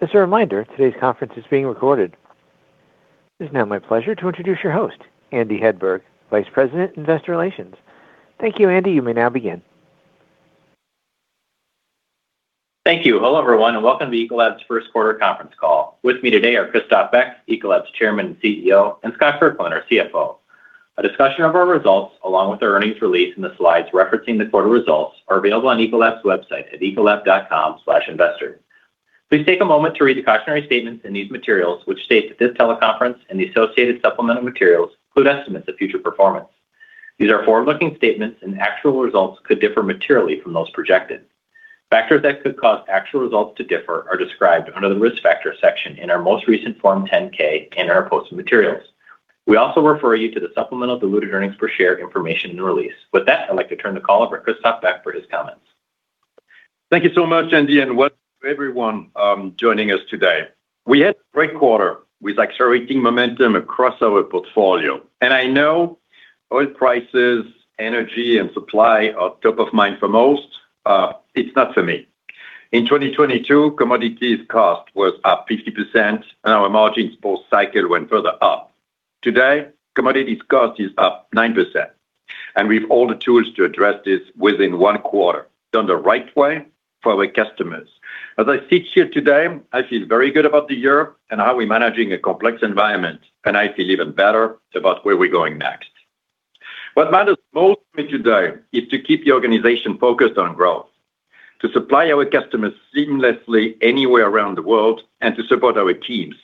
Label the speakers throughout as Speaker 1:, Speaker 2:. Speaker 1: As a reminder, today's conference is being recorded. It is now my pleasure to introduce your host, Andy Hedberg, Vice President, Investor Relations. Thank you, Andy. You may now begin.
Speaker 2: Thank you. Hello, everyone, and welcome to Ecolab's first quarter conference call. With me today are Christophe Beck, Ecolab's Chairman and CEO, and Scott Kirkland, our CFO. A discussion of our results along with the earnings release and the slides referencing the quarter results are available on ecolab.com/investor. Please take a moment to read the cautionary statements in these materials, which state that this teleconference and the associated supplemental materials include estimates of future performance. These are forward-looking statements, and actual results could differ materially from those projected. Factors that could cause actual results to differ are described under the Risk Factors section in our most recent Form 10-K and our posts and materials. We also refer you to the supplemental diluted earnings per share information in the release. With that, I'd like to turn the call over to Christophe Beck for his comments.
Speaker 3: Thank you so much, Andy, welcome everyone, joining us today. We had a great quarter with accelerating momentum across our portfolio, I know oil prices, energy, and supply are top of mind for most, it's not for me. In 2022, commodities cost was up 50%, our margins post cycle went further up. Today, commodities cost is up 9%, we have all the tools to address this within one quarter, done the right way for our customers. As I sit here today, I feel very good about the year and how we're managing a complex environment, I feel even better about where we're going next. What matters most to me today is to keep the organization focused on growth, to supply our customers seamlessly anywhere around the world, and to support our teams,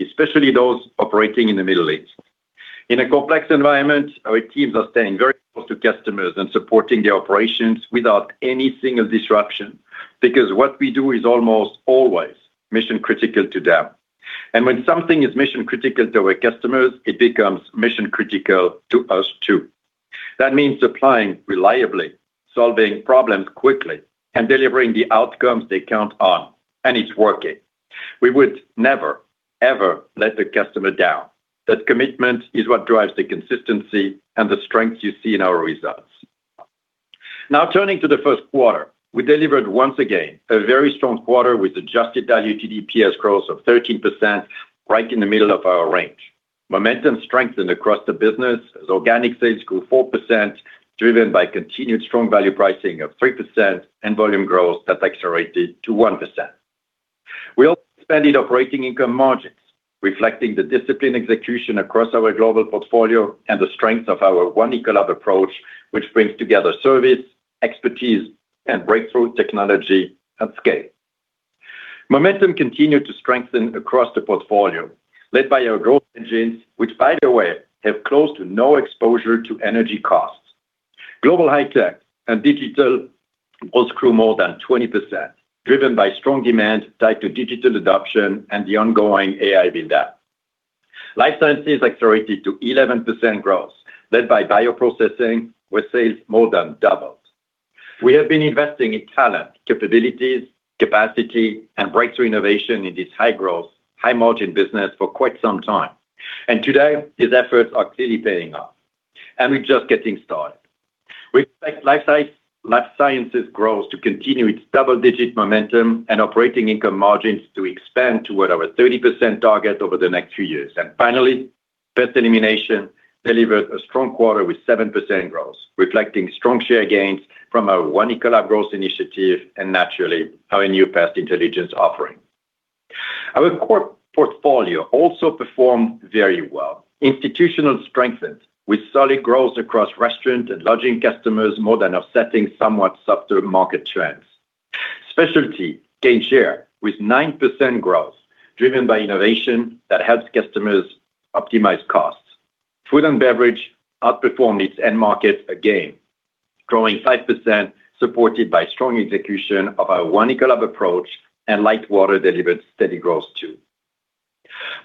Speaker 3: especially those operating in the Middle East. In a complex environment, our teams are staying very close to customers and supporting the operations without any single disruption because what we do is almost always mission-critical to them. When something is mission-critical to our customers, it becomes mission-critical to us too. That means supplying reliably, solving problems quickly, and delivering the outcomes they count on, and it's working. We would never, ever let the customer down. That commitment is what drives the consistency and the strength you see in our results. Turning to the first quarter. We delivered once again a very strong quarter with adjusted diluted EPS growth of 13% right in the middle of our range. Momentum strengthened across the business as organic sales grew 4%, driven by continued strong value pricing of 3% and volume growth that accelerated to 1%. We also expanded operating income margins, reflecting the disciplined execution across our global portfolio and the strength of our One Ecolab approach, which brings together service, expertise, and breakthrough technology at scale. Momentum continued to strengthen across the portfolio, led by our growth engines, which by the way, have close to no exposure to energy costs. Global High-Tech and digital both grew more than 20%, driven by strong demand tied to digital adoption and the ongoing AI build-up. Life Sciences accelerated to 11% growth, led by bioprocessing, where sales more than doubled. We have been investing in talent, capabilities, capacity, and breakthrough innovation in this high-growth, high-margin business for quite some time. Today, these efforts are clearly paying off, and we're just getting started. We expect Life Sciences growth to continue its double-digit momentum and operating income margins to expand to whatever 30% target over the next few years. Finally, Pest Elimination delivered a strong quarter with 7% growth, reflecting strong share gains from our One Ecolab growth initiative and naturally, our new Pest Intelligence offering. Our core portfolio also performed very well. Institutional strengthened with solid growth across restaurant and lodging customers, more than offsetting somewhat softer market trends. Specialty gained share with 9% growth, driven by innovation that helps customers optimize costs. Food & Beverage outperformed its end market again, growing 5%, supported by strong execution of our One Ecolab approach, and light water delivered steady growth too.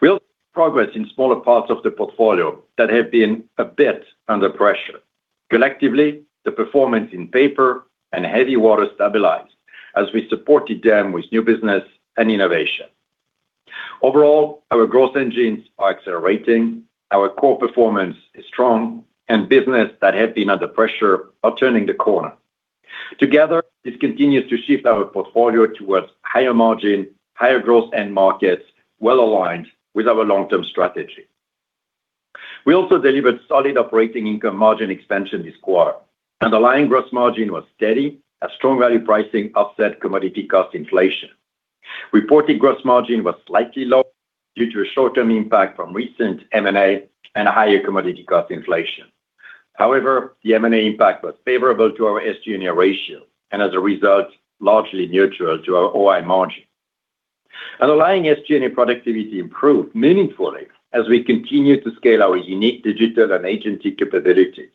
Speaker 3: We also made progress in smaller parts of the portfolio that have been a bit under pressure. Collectively, the performance in paper and heavy water stabilized as we supported them with new business and innovation. Overall, our growth engines are accelerating, our core performance is strong, and business that have been under pressure are turning the corner. Together, this continues to shift our portfolio towards higher margin, higher growth end markets well-aligned with our long-term strategy. We also delivered solid operating income margin expansion this quarter. Underlying gross margin was steady as strong value pricing offset commodity cost inflation. Reported gross margin was slightly low due to a short-term impact from recent M&A and a higher commodity cost inflation. However, the M&A impact was favorable to our SG&A ratio, and as a result, largely neutral to our OI margin. Underlying SG&A productivity improved meaningfully as we continue to scale our unique digital and Agentic capabilities,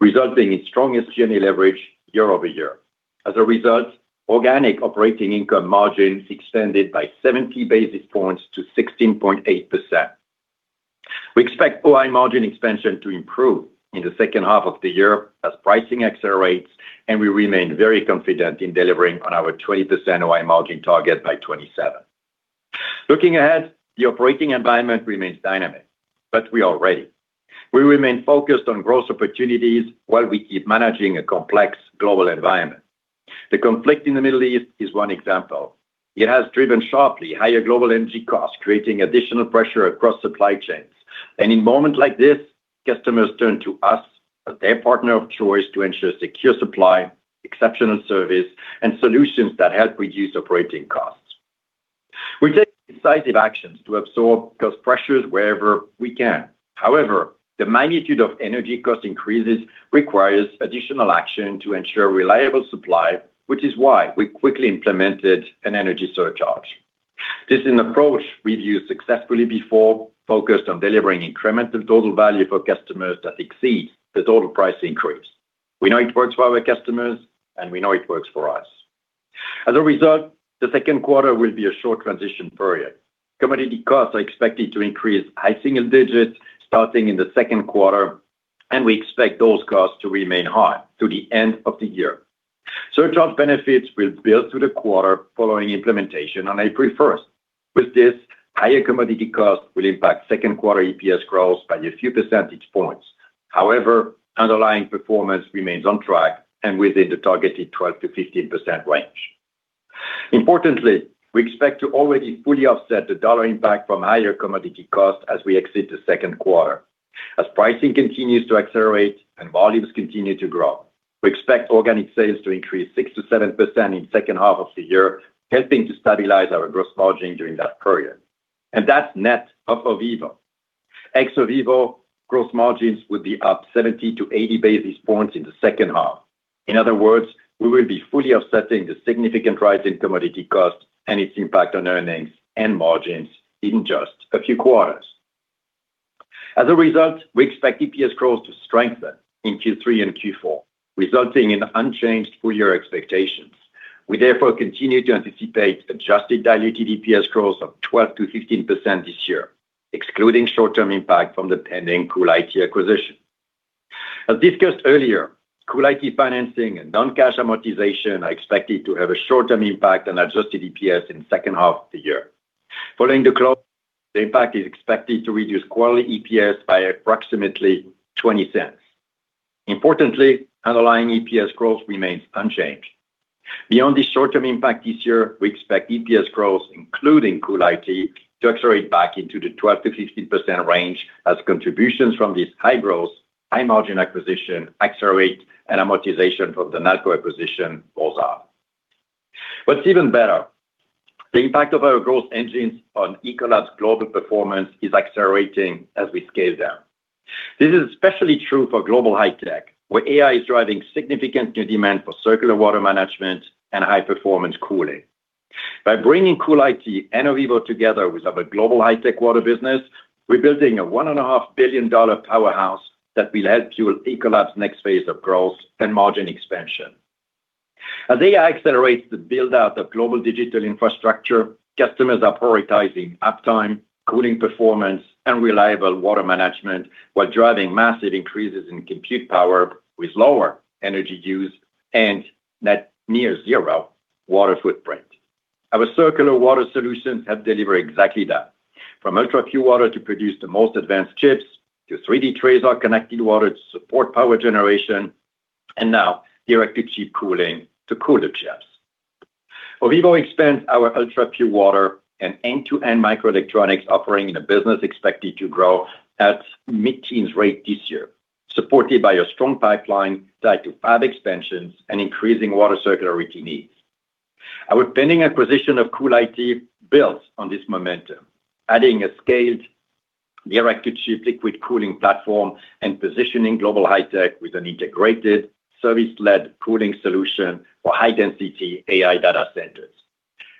Speaker 3: resulting in strong SG&A leverage year-over-year. As a result, organic operating income margins expanded by 70 basis points to 16.8%. We expect OI margin expansion to improve in the second half of the year as pricing accelerates, and we remain very confident in delivering on our 20% OI margin target by 2027. Looking ahead, the operating environment remains dynamic, but we are ready. We remain focused on growth opportunities while we keep managing a complex global environment. The conflict in the Middle East is one example. It has driven sharply higher global energy costs, creating additional pressure across supply chains. In moment like this, customers turn to us as their partner of choice to ensure secure supply, exceptional service, and solutions that help reduce operating costs. We take decisive actions to absorb cost pressures wherever we can. However, the magnitude of energy cost increases requires additional action to ensure reliable supply, which is why we quickly implemented an energy surcharge. This is an approach we've used successfully before, focused on delivering incremental total value for customers that exceeds the total price increase. We know it works for our customers, and we know it works for us. As a result, the second quarter will be a short transition period. Commodity costs are expected to increase high single digits starting in the second quarter, and we expect those costs to remain high through the end of the year. Surcharge benefits will build through the quarter following implementation on April 1. With this, higher commodity costs will impact second quarter EPS growth by a few percentage points. However, underlying performance remains on track and within the targeted 12%-15% range. Importantly, we expect to already fully offset the dollar impact from higher commodity costs as we exit the second quarter. Pricing continues to accelerate and volumes continue to grow, we expect organic sales to increase 6%-7% in second half of the year, helping to stabilize our gross margin during that period. That's net of Ovivo. Ex Ovivo, gross margins would be up 70-80 basis points in the second half. In other words, we will be fully offsetting the significant rise in commodity costs and its impact on earnings and margins in just a few quarters. As a result, we expect EPS growth to strengthen in Q3 and Q4, resulting in unchanged full year expectations. We therefore continue to anticipate adjusted diluted EPS growth of 12%-15% this year, excluding short-term impact from the pending CoolIT acquisition. As discussed earlier, CoolIT financing and non-cash amortization are expected to have a short-term impact on adjusted EPS in second half of the year. Following the close, the impact is expected to reduce quarterly EPS by approximately $0.20. Importantly, underlying EPS growth remains unchanged. Beyond the short-term impact this year, we expect EPS growth, including CoolIT, to accelerate back into the 12%-15% range as contributions from this high-growth, high-margin acquisition accelerate and amortization from the Nalco acquisition falls off. What's even better, the impact of our growth engines on Ecolab's global performance is accelerating as we scale down. This is especially true for Global High-Tech, where AI is driving significant new demand for circular water management and high-performance cooling. By bringing CoolIT and Ovivo together with our Global High-Tech water business, we're building a one-and-a-half billion dollar powerhouse that will help fuel Ecolab's next phase of growth and margin expansion. As AI accelerates the build-out of global digital infrastructure, customers are prioritizing uptime, cooling performance, and reliable water management while driving massive increases in compute power with lower energy use and net near zero water footprint. Our circular water solutions help deliver exactly that, from ultrapure water to produce the most advanced chips to 3D TRASAR-connected water to support power generation, and now direct to chip cooling to cool the chips. Ovivo expands our ultrapure water and end-to-end microelectronics, operating in a business expected to grow at mid-teens rate this year, supported by a strong pipeline tied to fab expansions and increasing water circularity needs. Our pending acquisition of CoolIT builds on this momentum, adding a scaled direct to chip liquid cooling platform and positioning Global High-Tech with an integrated service-led cooling solution for high-density AI data centers.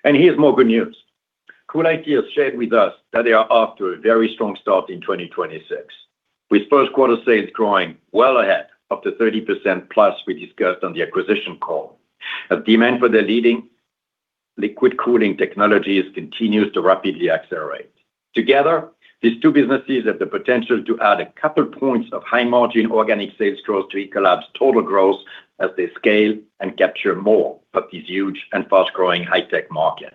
Speaker 3: Here's more good news. CoolIT has shared with us that they are off to a very strong start in uncertain, with 1st quarter sales growing well ahead of the 30%+ we discussed on the acquisition call as demand for their leading liquid cooling technologies continues to rapidly accelerate. Together, these two businesses have the potential to add a couple points of high-margin organic sales growth to Ecolab's total growth as they scale and capture more of this huge and fast-growing high-tech market.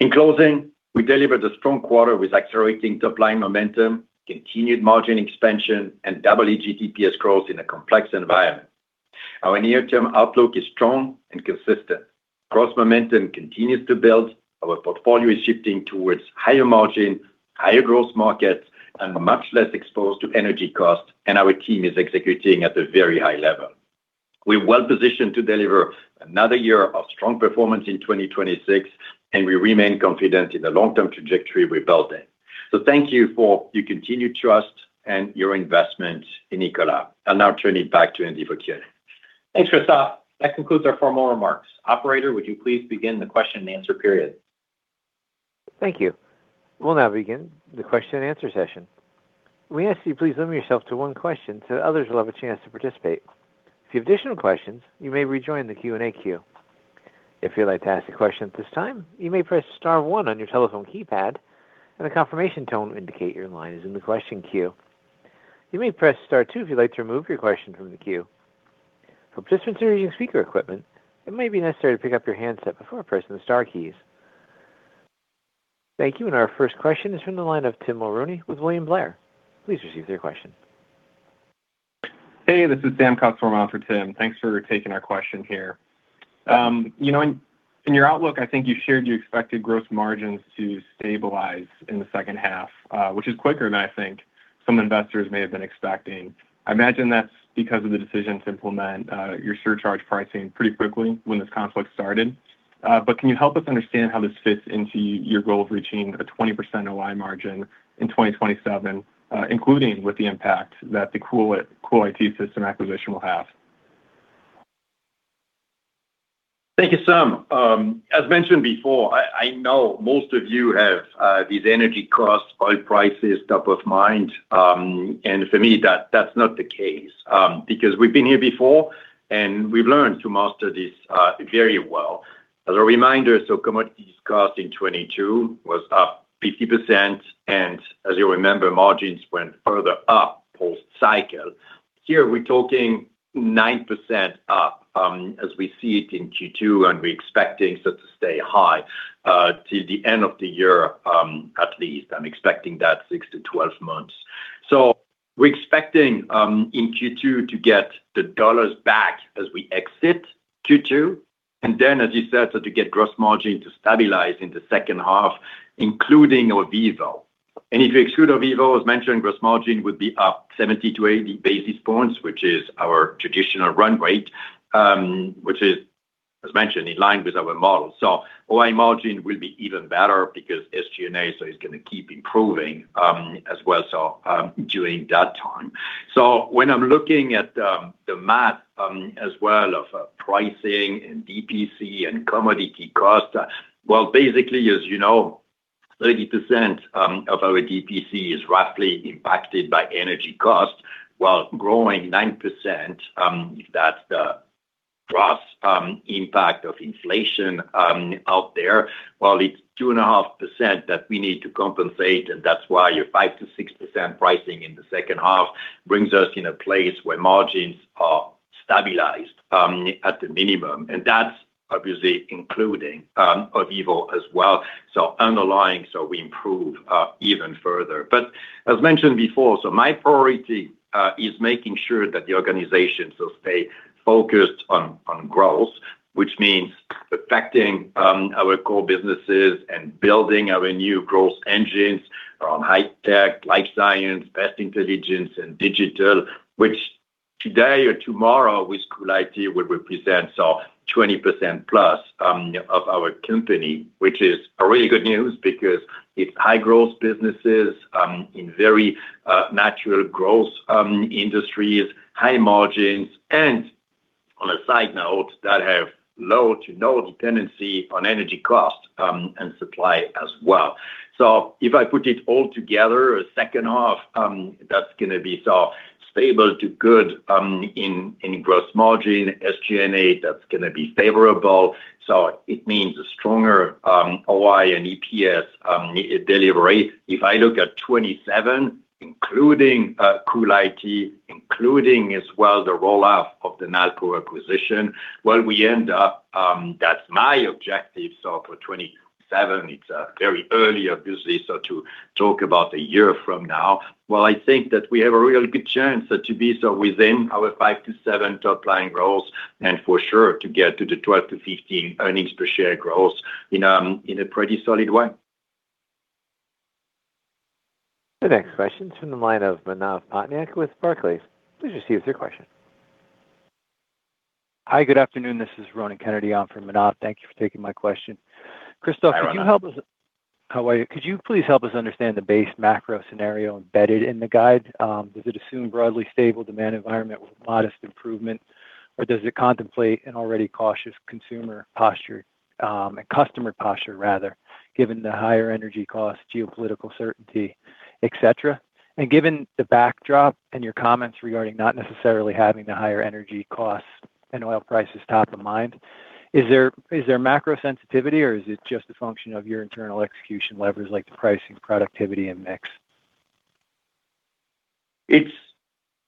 Speaker 3: In closing, we delivered a strong quarter with accelerating top-line momentum, continued margin expansion, and double-digit EPS growth in a complex environment. Our near-term outlook is strong and consistent. Gross momentum continues to build. Our portfolio is shifting towards higher margin, higher growth markets, and we're much less exposed to energy costs, and our team is executing at a very high level. We're well positioned to deliver another year of strong performance in 2026, and we remain confident in the long-term trajectory we're building. Thank you for your continued trust and your investment in Ecolab. I'll now turn it back to Andy Hedberg.
Speaker 2: Thanks, Christophe. That concludes our formal remarks. Operator, would you please begin the question and answer period?
Speaker 1: Thank you. We'll now begin the question and answer session. We ask that you please limit yourself to one question so that others will have a chance to participate. If you have additional questions, you may rejoin the Q&A queue. If you'd like to ask a question at this time, you may press Star one on your telephone keypad, and a confirmation tone will indicate your line is in the question queue. You may press Star two if you'd like to remove your question from the queue. For participants who are using speaker equipment, it may be necessary to pick up your handset before pressing the star keys. Thank you. Our first question is from the line of Tim Mulrooney with William Blair. Please proceed with your question.
Speaker 4: Hey, this is Sam Cox, filling in for Tim. Thanks for taking our question here. You know, in your outlook, I think you shared you expected gross margins to stabilize in the second half, which is quicker than I think some investors may have been expecting. I imagine that's because of the decision to implement your surcharge pricing pretty quickly when this conflict started. Can you help us understand how this fits into your goal of reaching a 20% OI margin in 2027, including with the impact that the CoolIT Systems acquisition will have?
Speaker 3: Thank you, Sam. As mentioned before, I know most of you have these energy costs, oil prices, top of mind. For me, that's not the case, because we've been here before, and we've learned to master this very well. As a reminder, commodities cost in 2022 was up 50%, and as you remember, margins went further up post cycle. Here, we're talking 9% up, as we see it in Q2, and we're expecting to stay high till the end of the year, at least. I'm expecting that six to 12 months. We're expecting in Q2 to get the dollars back as we exit Q2. As you said, to get gross margin to stabilize in the second half, including Ovivo. If we exclude Ovivo, as mentioned, gross margin would be up 70 to 80 basis points, which is our traditional run rate, which is, as mentioned, in line with our model. OI margin will be even better because SG&A, so it's gonna keep improving as well during that time. When I'm looking at the math as well of pricing and DPC and commodity cost, basically, as you know, 30% of our DPC is roughly impacted by energy costs, while growing 9%, if that's the gross impact of inflation out there. While it's 2.5% that we need to compensate, and that's why your 5%-6% pricing in the second half brings us in a place where margins are stabilized at the minimum. That's obviously including Ovivo as well. Underlying, we improve even further. As mentioned before, my priority is making sure that the organization will stay focused on growth, which means protecting our core businesses and building our new growth engines around high-tech, Life Sciences, Pest Intelligence and digital, which today or tomorrow with CoolIT will represent 20%+ of our company, which is a really good news because it's high growth businesses in very natural growth industries, high margins, and on a side note, that have low to no dependency on energy cost and supply as well. If I put it all together, a second half that's gonna be stable to good in gross margin. SG&A, that's gonna be favorable. It means a stronger OI and EPS de-delivery. If I look at 2027, including CoolIT, including as well the roll out of the Nalco acquisition, well, we end up, that's my objective. For 2027, it's very early obviously, so to talk about a year from now. Well, I think that we have a really good chance so to be so within our 5%-7% top-line growth, and for sure to get to the 12%-15% earnings per share growth in a pretty solid way.
Speaker 1: The next question is from the line of Manav Patnaik with Barclays. Please proceed with your question.
Speaker 5: Hi, good afternoon, this is Ronan Kennedy on for Manav. Thank you for taking my question.
Speaker 3: Hi, Ronan.
Speaker 5: Christophe, could you help us? How are you? Could you please help us understand the base macro scenario embedded in the guide? Does it assume broadly stable demand environment with modest improvement, or does it contemplate an already cautious consumer posture, a customer posture rather, given the higher energy cost, geopolitical certainty, et cetera? Given the backdrop and your comments regarding not necessarily having the higher energy costs and oil prices top of mind, is there macro sensitivity, or is it just a function of your internal execution levers like the pricing, productivity and mix?
Speaker 3: It's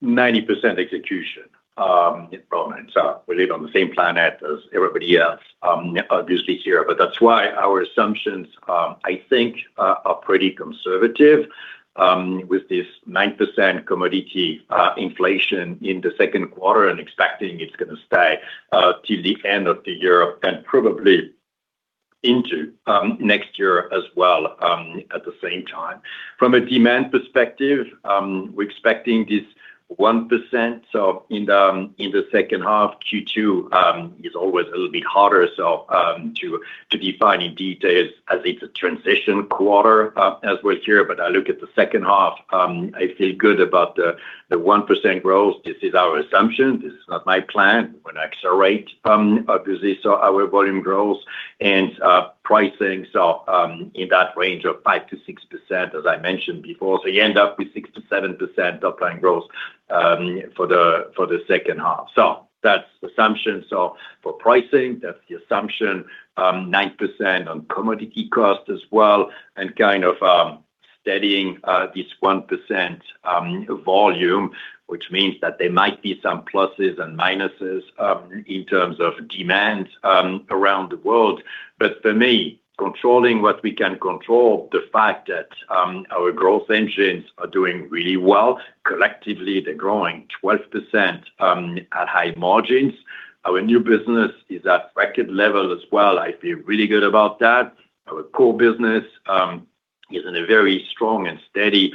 Speaker 3: 90% execution, involvement. We live on the same planet as everybody else, obviously here. That's why our assumptions, I think, are pretty conservative, with this 9% commodity inflation in the second quarter and expecting it's gonna stay till the end of the year and probably into next year as well, at the same time. From a demand perspective, we're expecting this 1%. In the second half, Q2, is always a little bit harder, so to define in details as it's a transition quarter, as we're here. I look at the second half, I feel good about the 1% growth. This is our assumption. This is not my plan. We're gonna accelerate, obviously, so our volume growth and pricing. In that range of 5%-6%, as I mentioned before. You end up with 6%-7% top line growth for the second half. That's assumption. For pricing, that's the assumption. 9% on commodity cost as well, and kind of steadying this 1% volume, which means that there might be some pluses and minuses in terms of demand around the world. But for me, controlling what we can control, the fact that our growth engines are doing really well. Collectively, they're growing 12% at high margins. Our new business is at record level as well. I feel really good about that. Our core business is in a very strong and steady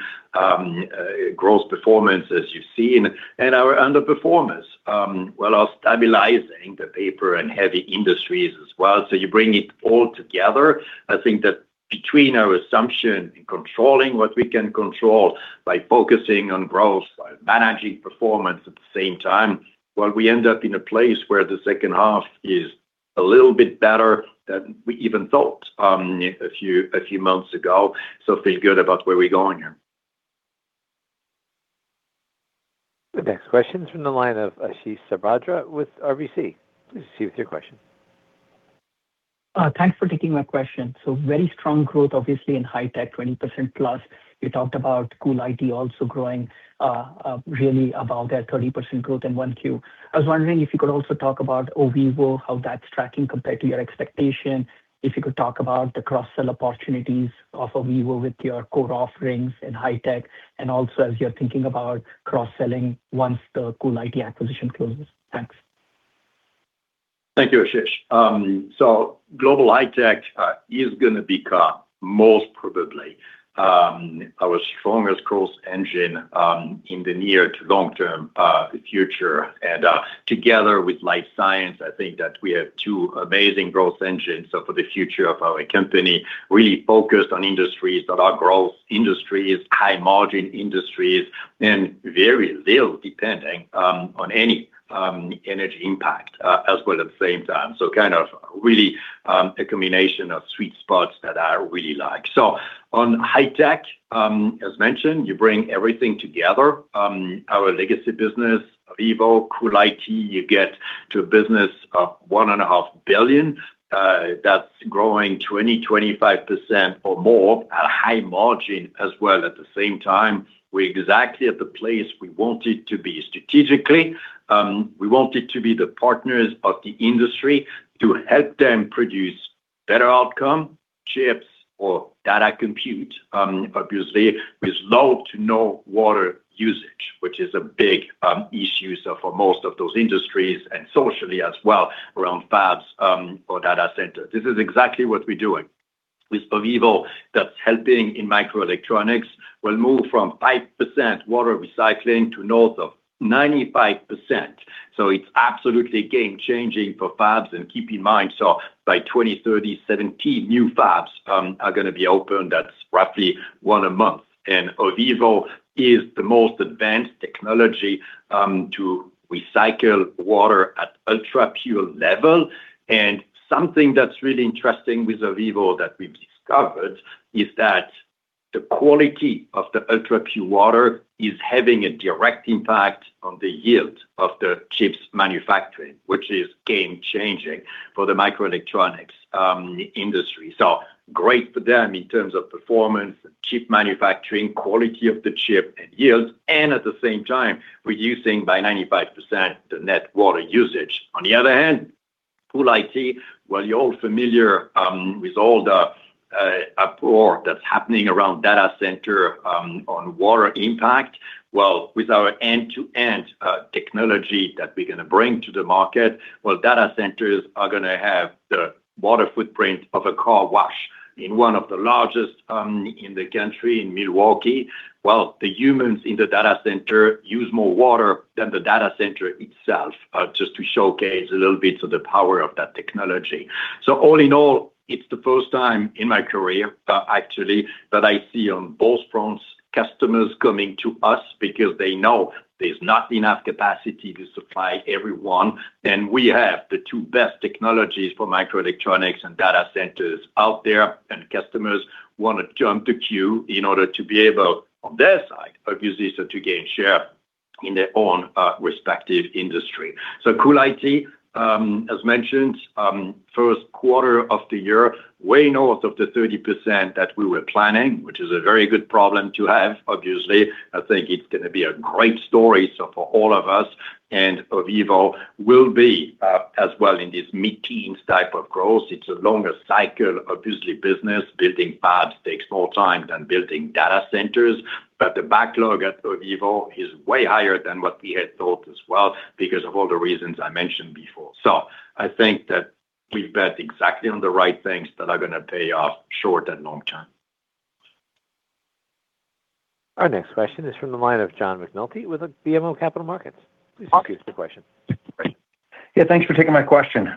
Speaker 3: growth performance as you've seen. Our underperformers, well, are stabilizing the paper and heavy industries as well. You bring it all together, I think that between our assumption in controlling what we can control by focusing on growth, by managing performance at the same time, well, we end up in a place where the second half is a little bit better than we even thought a few months ago. Feel good about where we're going here.
Speaker 1: The next question is from the line of Ashish Sabadra with RBC. Please proceed with your question.
Speaker 6: Thanks for taking my question. Very strong growth, obviously, in Global High-Tech, 20% plus. You talked about CoolIT also growing, really about that 30% growth in 1Q. I was wondering if you could also talk about Ovivo, how that's tracking compared to your expectation. If you could talk about the cross-sell opportunities of Ovivo with your core offerings in Global High-Tech, and also as you're thinking about cross-selling once the CoolIT acquisition closes. Thanks.
Speaker 3: Thank you, Ashish Sabadra. Global High-Tech is gonna become most probably our strongest growth engine in the near to long-term future. Together with Life Sciences, I think that we have two amazing growth engines. For the future of our company, really focused on industries that are growth industries, high margin industries, and very little depending on any energy impact as well at the same time. Kind of really a combination of sweet spots that I really like. On High-Tech, as mentioned, you bring everything together, our legacy business, Ovivo, CoolIT, you get to a business of $1.5 billion that's growing 20%-25% or more at a high margin as well. At the same time, we're exactly at the place we wanted to be strategically. We wanted to be the partners of the industry to help them produce better outcome chips or data compute, obviously, with low to no water usage, which is a big issue, for most of those industries and socially as well around fabs or data centers. This is exactly what we're doing. With Ovivo, that's helping in microelectronics, will move from 5% water recycling to north of 95%. It's absolutely game changing for fabs. Keep in mind, by 2030, 17 new fabs are gonna be opened. That's roughly one a month. Ovivo is the most advanced technology to recycle water at ultra-pure level. Something that's really interesting with Ovivo that we've discovered is that the quality of the ultra-pure water is having a direct impact on the yield of the chips manufacturing, which is game changing for the microelectronics industry. Great for them in terms of performance, chip manufacturing, quality of the chip, and yields, and at the same time, reducing by 95% the net water usage. On the other hand, CoolIT, you're all familiar with all the uproar that's happening around data center on water impact. With our end-to-end technology that we're gonna bring to the market, data centers are gonna have the water footprint of a car wash in one of the largest in the country, in Milwaukee. Well, the humans in the data center use more water than the data center itself, just to showcase a little bit of the power of that technology. All in all, it's the first time in my career, actually, that I see on both fronts customers coming to us because they know there's not enough capacity to supply everyone. We have the two best technologies for microelectronics and data centers out there, and customers wanna jump the queue in order to be able, on their side, obviously, to gain share in their own respective industry. CoolIT, as mentioned, first quarter of the year, way north of the 30% that we were planning, which is a very good problem to have, obviously. I think it's gonna be a great story, so for all of us. Ovivo will be, as well in this mid-teens type of growth. It's a longer cycle, obviously, business. Building fabs takes more time than building data centers. The backlog at Ovivo is way higher than what we had thought as well because of all the reasons I mentioned before. I think that we've bet exactly on the right things that are gonna pay off short and long term.
Speaker 1: Our next question is from the line of John McNulty with BMO Capital Markets. Please proceed with your question.
Speaker 3: Okay.
Speaker 7: Yeah, thanks for taking my question.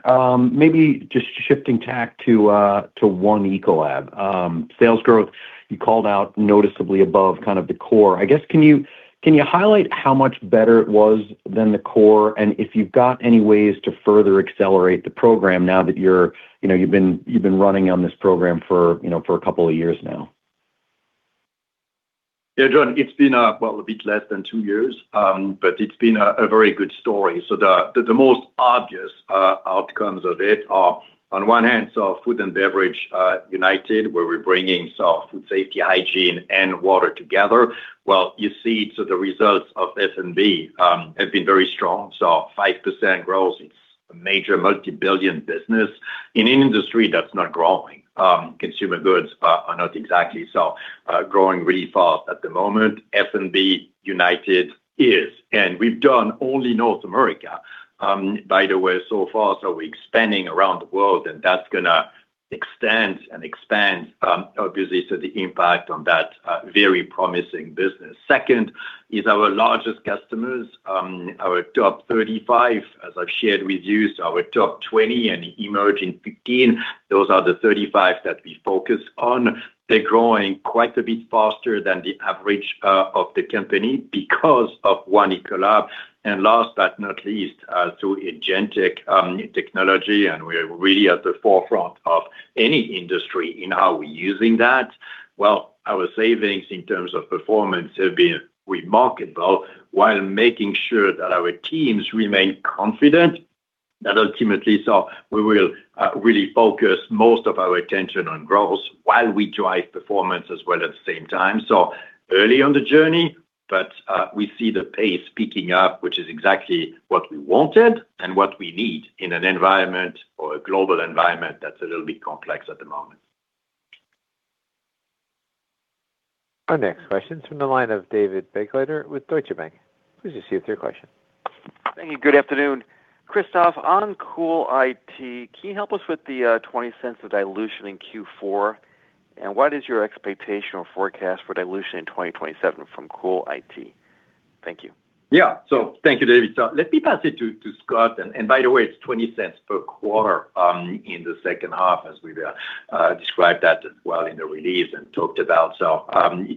Speaker 7: Maybe just shifting tack to One Ecolab. Sales growth, you called out noticeably above kind of the core. I guess, can you highlight how much better it was than the core? And if you've got any ways to further accelerate the program now that you're, you know, you've been running on this program for, you know, for a couple of years now.
Speaker 3: Yeah, John, it's been a bit less than two years, it's been a very good story. The most obvious outcomes of it are on one hand, Food & Beverage United, where we're bringing food safety, hygiene and water together, you see the results of F&B have been very strong. 5% growth. It's a major multi-billion business in an industry that's not growing. Consumer goods are not exactly growing really fast at the moment. F&B United is, and we've done only North America, by the way, so far, so we're expanding around the world, and that's going to extend and expand, obviously, the impact on that very promising business. Second is our largest customers, our top 35, as I've shared with you. Our top 20 and emerging 15, those are the 35 that we focus on. They're growing quite a bit faster than the average of the company because of One Ecolab. Last but not least, through Agentic technology, and we're really at the forefront of any industry in how we're using that. Our savings in terms of performance have been remarkable while making sure that our teams remain confident that ultimately, we will really focus most of our attention on growth while we drive performance as well at the same time. Early on the journey, but we see the pace picking up, which is exactly what we wanted and what we need in an environment or a global environment that's a little bit complex at the moment.
Speaker 1: Our next question is from the line of David Begleiter with Deutsche Bank. Please proceed with your question.
Speaker 8: Thank you. Good afternoon. Christophe, on CoolIT, can you help us with the $0.20 of dilution in Q4? What is your expectation or forecast for dilution in 2027 from CoolIT? Thank you.
Speaker 3: Yeah. Thank you, David. Let me pass it to Scott. By the way, it's $0.20 per quarter in the second half as we described that as well in the release and talked about.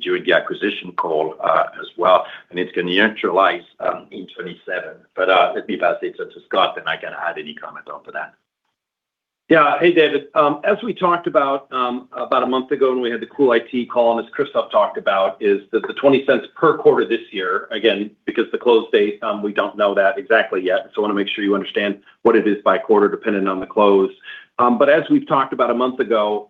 Speaker 3: During the acquisition call as well, and it's gonna neutralize in 2027. Let me pass it to Scott, then I can add any comment onto that.
Speaker 9: Yeah. Hey, David Begleiter. As we talked about about a month ago when we had the CoolIT Systems call, and as Christophe Beck talked about, is the $0.20 per quarter this year, again, because the close date, we don't know that exactly yet. I wanna make sure you understand what it is by quarter dependent on the close. As we've talked about a month ago,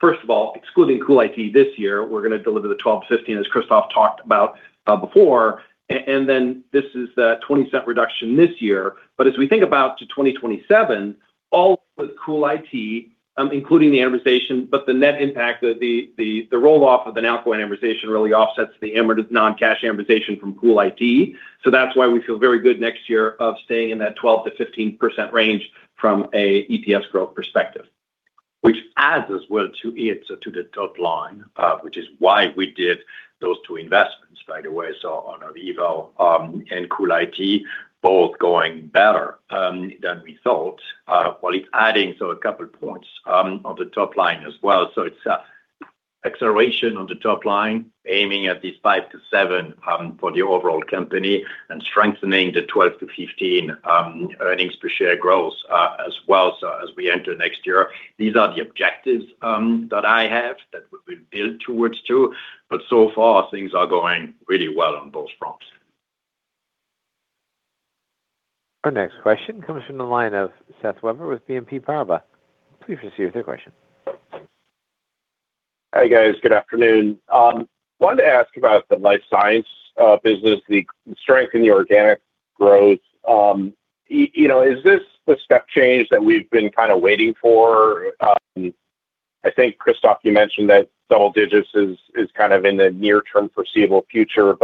Speaker 9: first of all, excluding CoolIT Systems this year, we're gonna deliver the 12-15 as Christophe Beck talked about before. Then this is the $0.20 reduction this year. As we think about to 2027, all with CoolIT Systems, including the amortization, but the net impact, the roll-off of an outgoing amortization really offsets the non-cash amortization from CoolIT Systems. That's why we feel very good next year of staying in that 12%-15% range from a EPS growth perspective.
Speaker 3: Which adds as well to it, to the top line, which is why we did those two investments, by the way. On our Ovivo and CoolIT both going better than we thought. While it's adding a couple points on the top line as well. It's acceleration on the top line, aiming at this five to seven for the overall company and strengthening the 12-15 earnings per share growth as well so as we enter next year. These are the objectives that I have that we've been building towards to, but so far things are going really well on both fronts.
Speaker 1: Our next question comes from the line of Seth Weber with BNP Paribas. Please proceed with your question.
Speaker 10: Hi, guys. Good afternoon. Wanted to ask about the Life Sciences business, the strength in the organic growth. You know, is this the step change that we've been kind of waiting for? I think, Christophe, you mentioned that double-digit EPS is kind of in the near-term foreseeable future.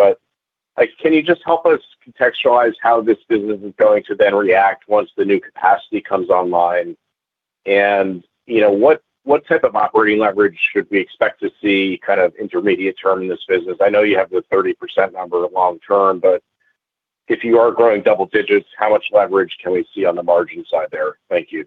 Speaker 10: Like, can you just help us contextualize how this business is going to then react once the new capacity comes online? You know, what type of operating leverage should we expect to see kind of intermediate term in this business? I know you have the 30% number long term, but if you are growing double-digit EPS, how much leverage can we see on the margin side there? Thank you.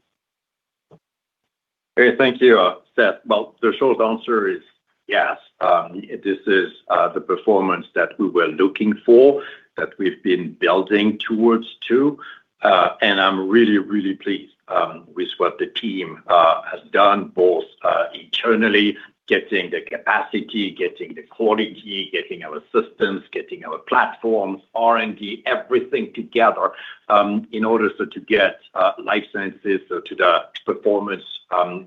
Speaker 3: Hey, thank you, Seth. Well, the short answer is yes. This is the performance that we were looking for, that we've been building towards to. I'm really, really pleased with what the team has done, both internally, getting the capacity, getting the quality, getting our systems, getting our platforms, R&D, everything together, in order so to get Life Sciences to the performance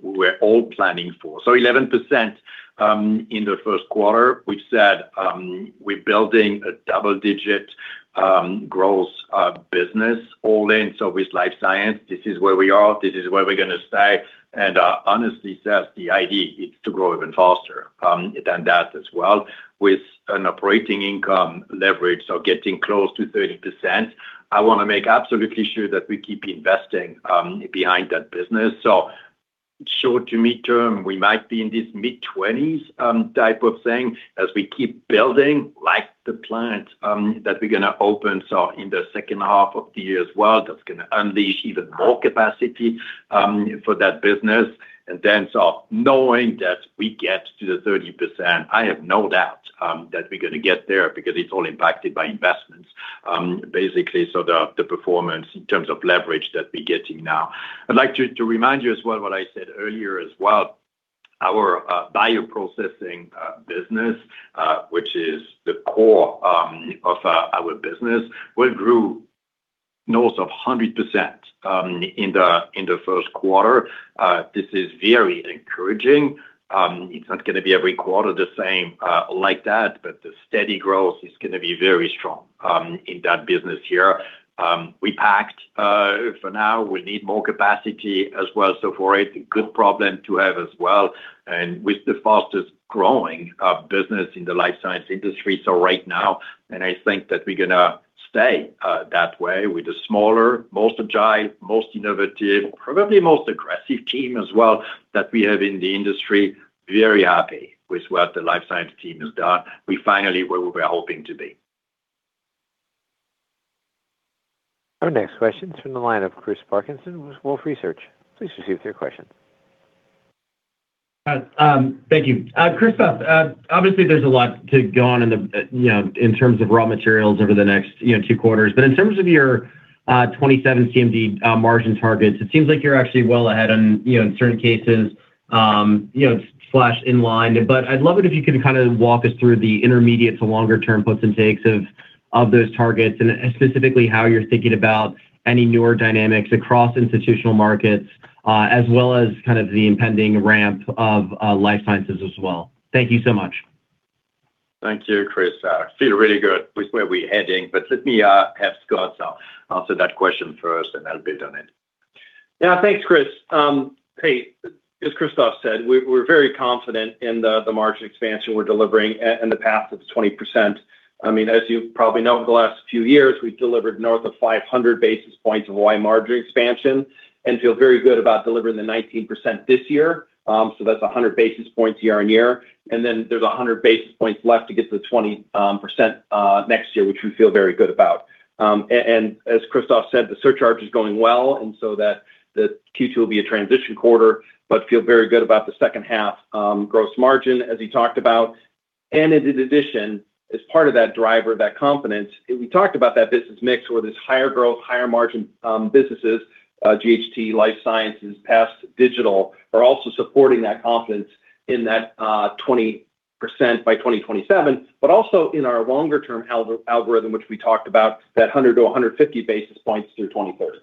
Speaker 3: we're all planning for. Eleven percent in the first quarter, we've said, we're building a double-digit growth business all in. With Life Sciences, this is where we are, this is where we're gonna stay. Honestly, Seth, the idea is to grow even faster than that as well with an operating income leverage. Getting close to 30%, I want to make absolutely sure that we keep investing behind that business. Short to mid-term, we might be in this mid-20s type of thing as we keep building like the plant that we're going to open in the second half of the year as well. That's going to unleash even more capacity for that business. Knowing that we get to the 30%, I have no doubt that we're going to get there because it's all impacted by investment. Basically, the performance in terms of leverage that we're getting now. I'd like to remind you as well what I said earlier as well. Our bio processing business, which is the core of our business, well, it grew north of 100% in the first quarter. This is very encouraging. It's not gonna be every quarter the same, like that, but the steady growth is gonna be very strong in that business here. We packed, for now, we need more capacity as well. For it, a good problem to have as well. With the fastest growing business in the Life Sciences industry, so right now, and I think that we're gonna stay that way with the smaller, most agile, most innovative, probably most aggressive team as well that we have in the industry. Very happy with what the Life Sciences team has done. We finally where we were hoping to be.
Speaker 1: Our next question is from the line of Chris Parkinson with Wolfe Research. Please proceed with your question.
Speaker 11: Thank you. Christophe, obviously there's a lot to go on in the, you know, in terms of raw materials over the next, you know, two quarters. In terms of your 2027 CMD margin targets, it seems like you're actually well ahead on, you know, in certain cases, you know, slash in line. I'd love it if you could kinda walk us through the intermediate to longer term puts and takes of those targets, and specifically how you're thinking about any newer dynamics across institutional markets, as well as kind of the impending ramp of Life Sciences as well. Thank you so much.
Speaker 3: Thank you, Chris. I feel really good with where we're heading, but let me have Scott answer that question first, and I'll build on it.
Speaker 9: Yeah. Thanks, Chris. Hey, as Christophe Beck said, we're very confident in the margin expansion we're delivering and the path of 20%. I mean, as you probably know, over the last few years, we've delivered north of 500 basis points of Y margin expansion and feel very good about delivering the 19% this year. That's 100 basis points year-over-year. There's 100 basis points left to get to the 20% next year, which we feel very good about. As Christophe Beck said, the surcharge is going well, and so that the Q2 will be a transition quarter, but feel very good about the second half gross margin as he talked about. In addition, as part of that driver, that confidence, we talked about that business mix where this higher growth, higher margin, businesses, GHT, Life Sciences, Pest Intelligence are also supporting that confidence in that 20% by 2027. Also in our longer term algorithm, which we talked about, that 100-150 basis points through 2030.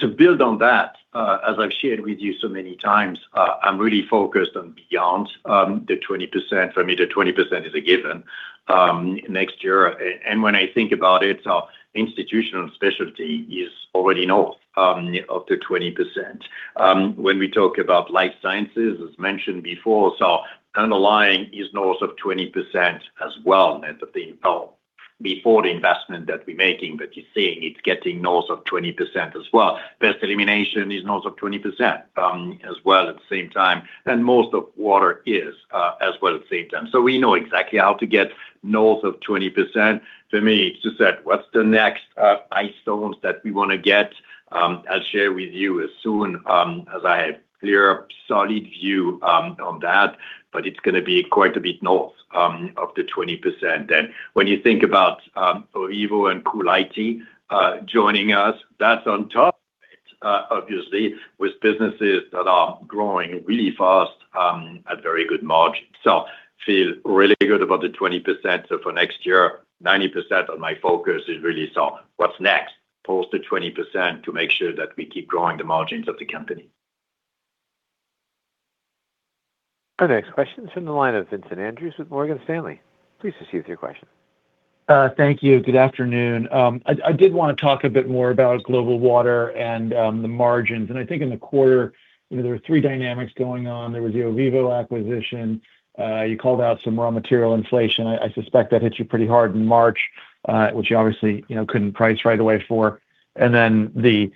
Speaker 3: To build on that, as I've shared with you so many times, I'm really focused on beyond the 20%. For me, the 20% is a given next year. When I think about it, our Institutional & Specialty is already north of the 20%. When we talk about Life Sciences, as mentioned before, so underlying is north of 20% as well. Well, before the investment that we're making, but you're seeing it getting north of 20% as well. Pest Elimination is north of 20% as well at the same time. Most of Water is as well at the same time. We know exactly how to get north of 20%. For me, it's just that what's the next milestones that we wanna get. I'll share with you as soon as I have clear, solid view on that, but it's gonna be quite a bit north of the 20%. When you think about Ovivo and CoolIT joining us, that's on top of it, obviously, with businesses that are growing really fast at very good margin. Feel really good about the 20%. For next year, 90% of my focus is really what's next post the 20% to make sure that we keep growing the margins of the company.
Speaker 1: Our next question is from the line of Vincent Andrews with Morgan Stanley. Please proceed with your question.
Speaker 12: Thank you. Good afternoon. I did wanna talk a bit more about global water and the margins. I think in the quarter, you know, there were three dynamics going on. There was the Ovivo acquisition. You called out some raw material inflation. I suspect that hit you pretty hard in March, which you obviously, you know, couldn't price right away for. Then the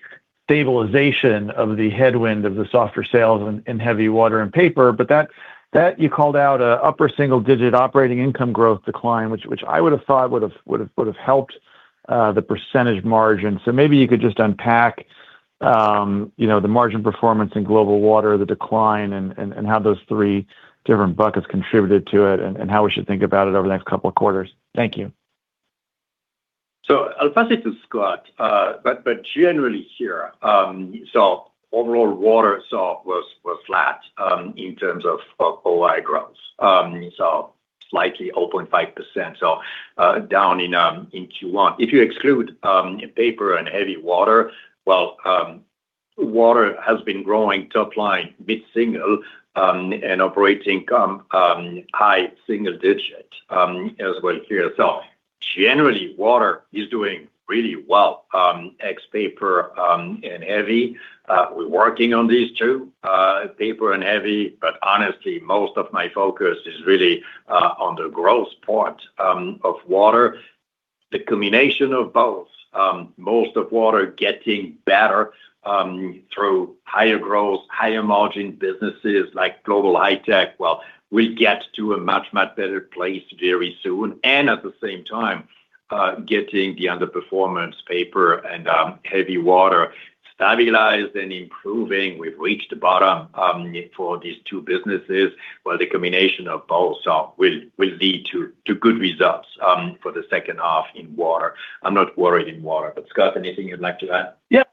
Speaker 12: stabilization of the headwind of the softer sales in heavy water and paper. But that you called out, upper single-digit operating income growth decline, which I would have thought would have helped the percentage margin. Maybe you could just unpack, you know, the margin performance in global water, the decline and how those three different buckets contributed to it and how we should think about it over the next couple of quarters. Thank you.
Speaker 3: I'll pass it to Scott. But generally here, overall water was flat in terms of OI growth. Slightly, 0.5% down in Q1. If you exclude paper and heavy water has been growing top line mid-single and operating com high single digit as well here. Generally, water is doing really well, ex paper and heavy. We're working on these two, paper and heavy, but honestly, most of my focus is really on the growth part of water. The combination of both, most of water getting better through higher growth, higher margin businesses like Global High-Tech, we get to a much, much better place very soon. At the same time, getting the underperformance paper and heavy water stabilized and improving, we've reached the bottom for these two businesses. While the combination of both will lead to good results for the second half in water. I'm not worried in water. Scott, anything you'd like to add?
Speaker 9: Yeah.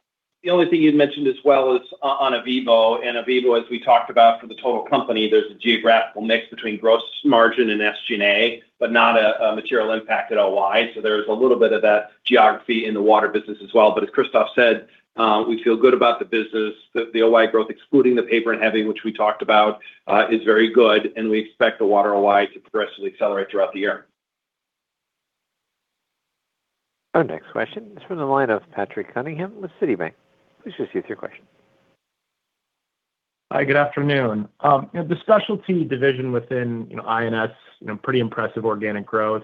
Speaker 9: The only thing you'd mentioned as well is on Ovivo. Ovivo, as we talked about for the total company, there's a geographical mix between gross margin and SG&A, but not a material impact at OI. There's a little bit of that geography in the water business as well. As Christophe said, we feel good about the business. The OI growth, excluding the paper and heavy, which we talked about, is very good and we expect the water OI to progressively accelerate throughout the year.
Speaker 1: Our next question is from the line of Patrick Cunningham with Citi. Please proceed with your question.
Speaker 13: Hi, good afternoon. The specialty division within, you know, I&S, you know, pretty impressive organic growth.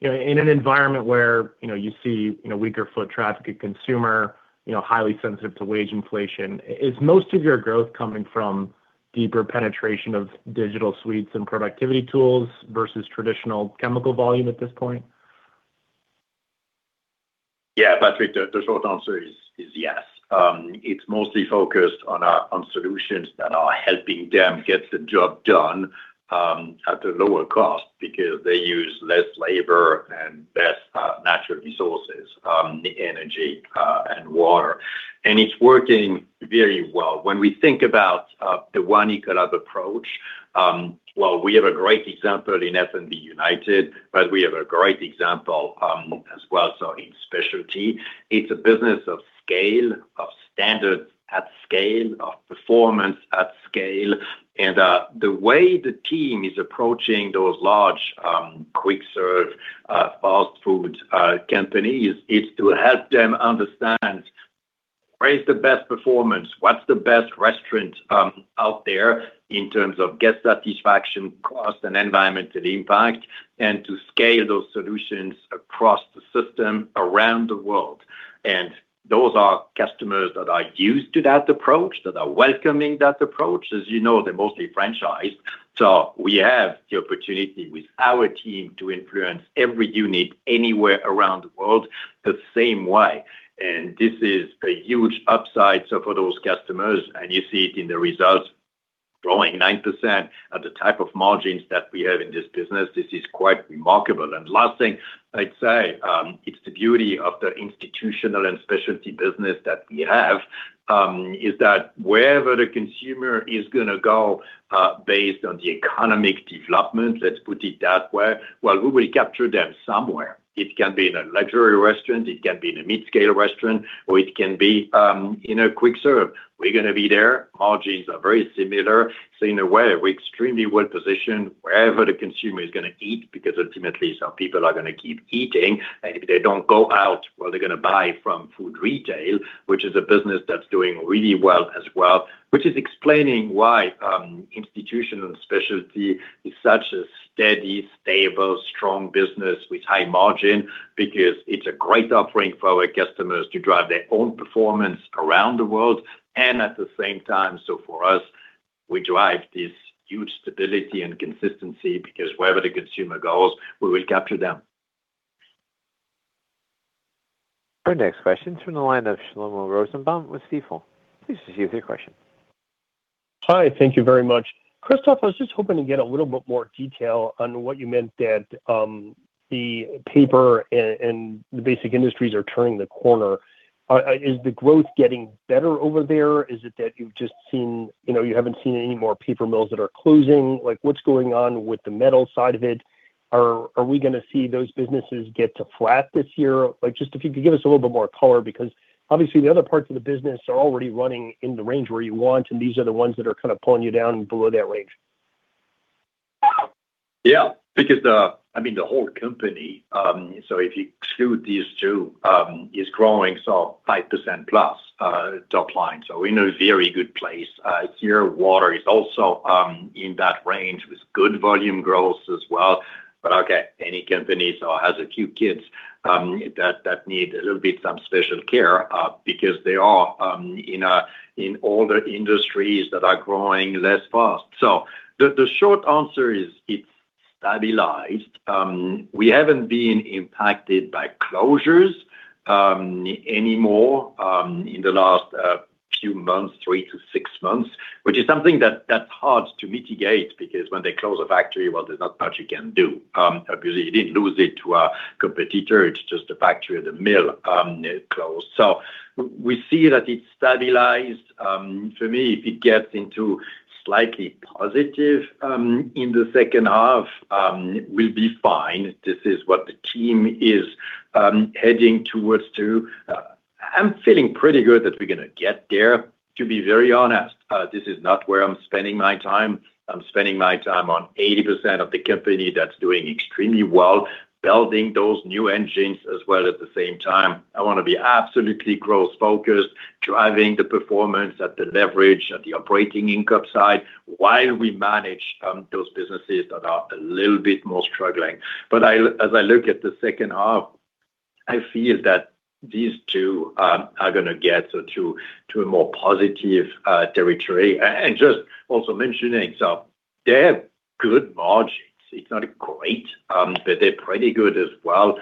Speaker 13: You know, in an environment where, you know, you see, you know, weaker foot traffic at consumer, you know, highly sensitive to wage inflation, is most of your growth coming from deeper penetration of digital suites and productivity tools versus traditional chemical volume at this point?
Speaker 3: Patrick, the short answer is yes. It's mostly focused on solutions that are helping them get the job done at a lower cost because they use less labor and less natural resources, energy, and water. It's working very well. When we think about the One Ecolab approach, well, we have a great example in F&B United, but we have a great example as well, so in specialty. It's a business of scale, of standards at scale, of performance at scale. The way the team is approaching those large quick serve, fast food companies is to help them understand where is the best performance, what's the best restaurant out there in terms of guest satisfaction, cost, and environmental impact, and to scale those solutions across the system around the world. Those are customers that are used to that approach, that are welcoming that approach. As you know, they're mostly franchised. We have the opportunity with our team to influence every unit anywhere around the world the same way. This is a huge upside, so for those customers, and you see it in the results, growing 9% at the type of margins that we have in this business, this is quite remarkable. Last thing I'd say, it's the beauty of the Institutional & Specialty business that we have, is that wherever the consumer is gonna go, based on the economic development, let's put it that way, well, we will capture them somewhere. It can be in a luxury restaurant, it can be in a mid-scale restaurant, or it can be in a quick serve. We're gonna be there. Margins are very similar. In a way, we're extremely well-positioned wherever the consumer is gonna eat, because ultimately some people are gonna keep eating. If they don't go out, well, they're gonna buy from food retail, which is a business that's doing really well as well, which is explaining why Institutional & Specialty is such a steady, stable, strong business with high margin because it's a great offering for our customers to drive their own performance around the world. At the same time, so for us, we drive this huge stability and consistency because wherever the consumer goes, we will capture them.
Speaker 1: Our next question's from the line of Shlomo Rosenbaum with Stifel. Please proceed with your question.
Speaker 14: Hi, thank you very much. Christophe, I was just hoping to get a little bit more detail on what you meant that, the paper and the basic industries are turning the corner. Is the growth getting better over there? Is it that you've just seen, you know, you haven't seen any more paper mills that are closing? Like, what's going on with the metal side of it? Are we gonna see those businesses get to flat this year? Like, just if you could give us a little bit more color, because obviously the other parts of the business are already running in the range where you want, and these are the ones that are kind of pulling you down below that range.
Speaker 3: Yeah. I mean, the whole company, if you exclude these two, is growing, 5% plus top line. In a very good place. Here Water is also in that range with good volume growth as well. Okay, any company has a few kids that need a little bit some special care because they are in older industries that are growing less fast. The short answer is it's stabilized. We haven't been impacted by closures anymore in the last few months, three to six months, which is something that's hard to mitigate because when they close a factory, well, there's not much you can do. Obviously you didn't lose it to a competitor, it's just a factory, the mill, closed. We see that it's stabilized. For me, if it gets into slightly positive in the second half, we'll be fine. This is what the team is heading towards to. I'm feeling pretty good that we're gonna get there, to be very honest. This is not where I'm spending my time. I'm spending my time on 80% of the company that's doing extremely well, building those new engines as well at the same time. I wanna be absolutely growth focused, driving the performance at the leverage, at the operating income side, while we manage those businesses that are a little bit more struggling. As I look at the second half, I feel that these two are gonna get to a more positive territory. Just also mentioning, They have good margins. It's not great, but they're pretty good as well.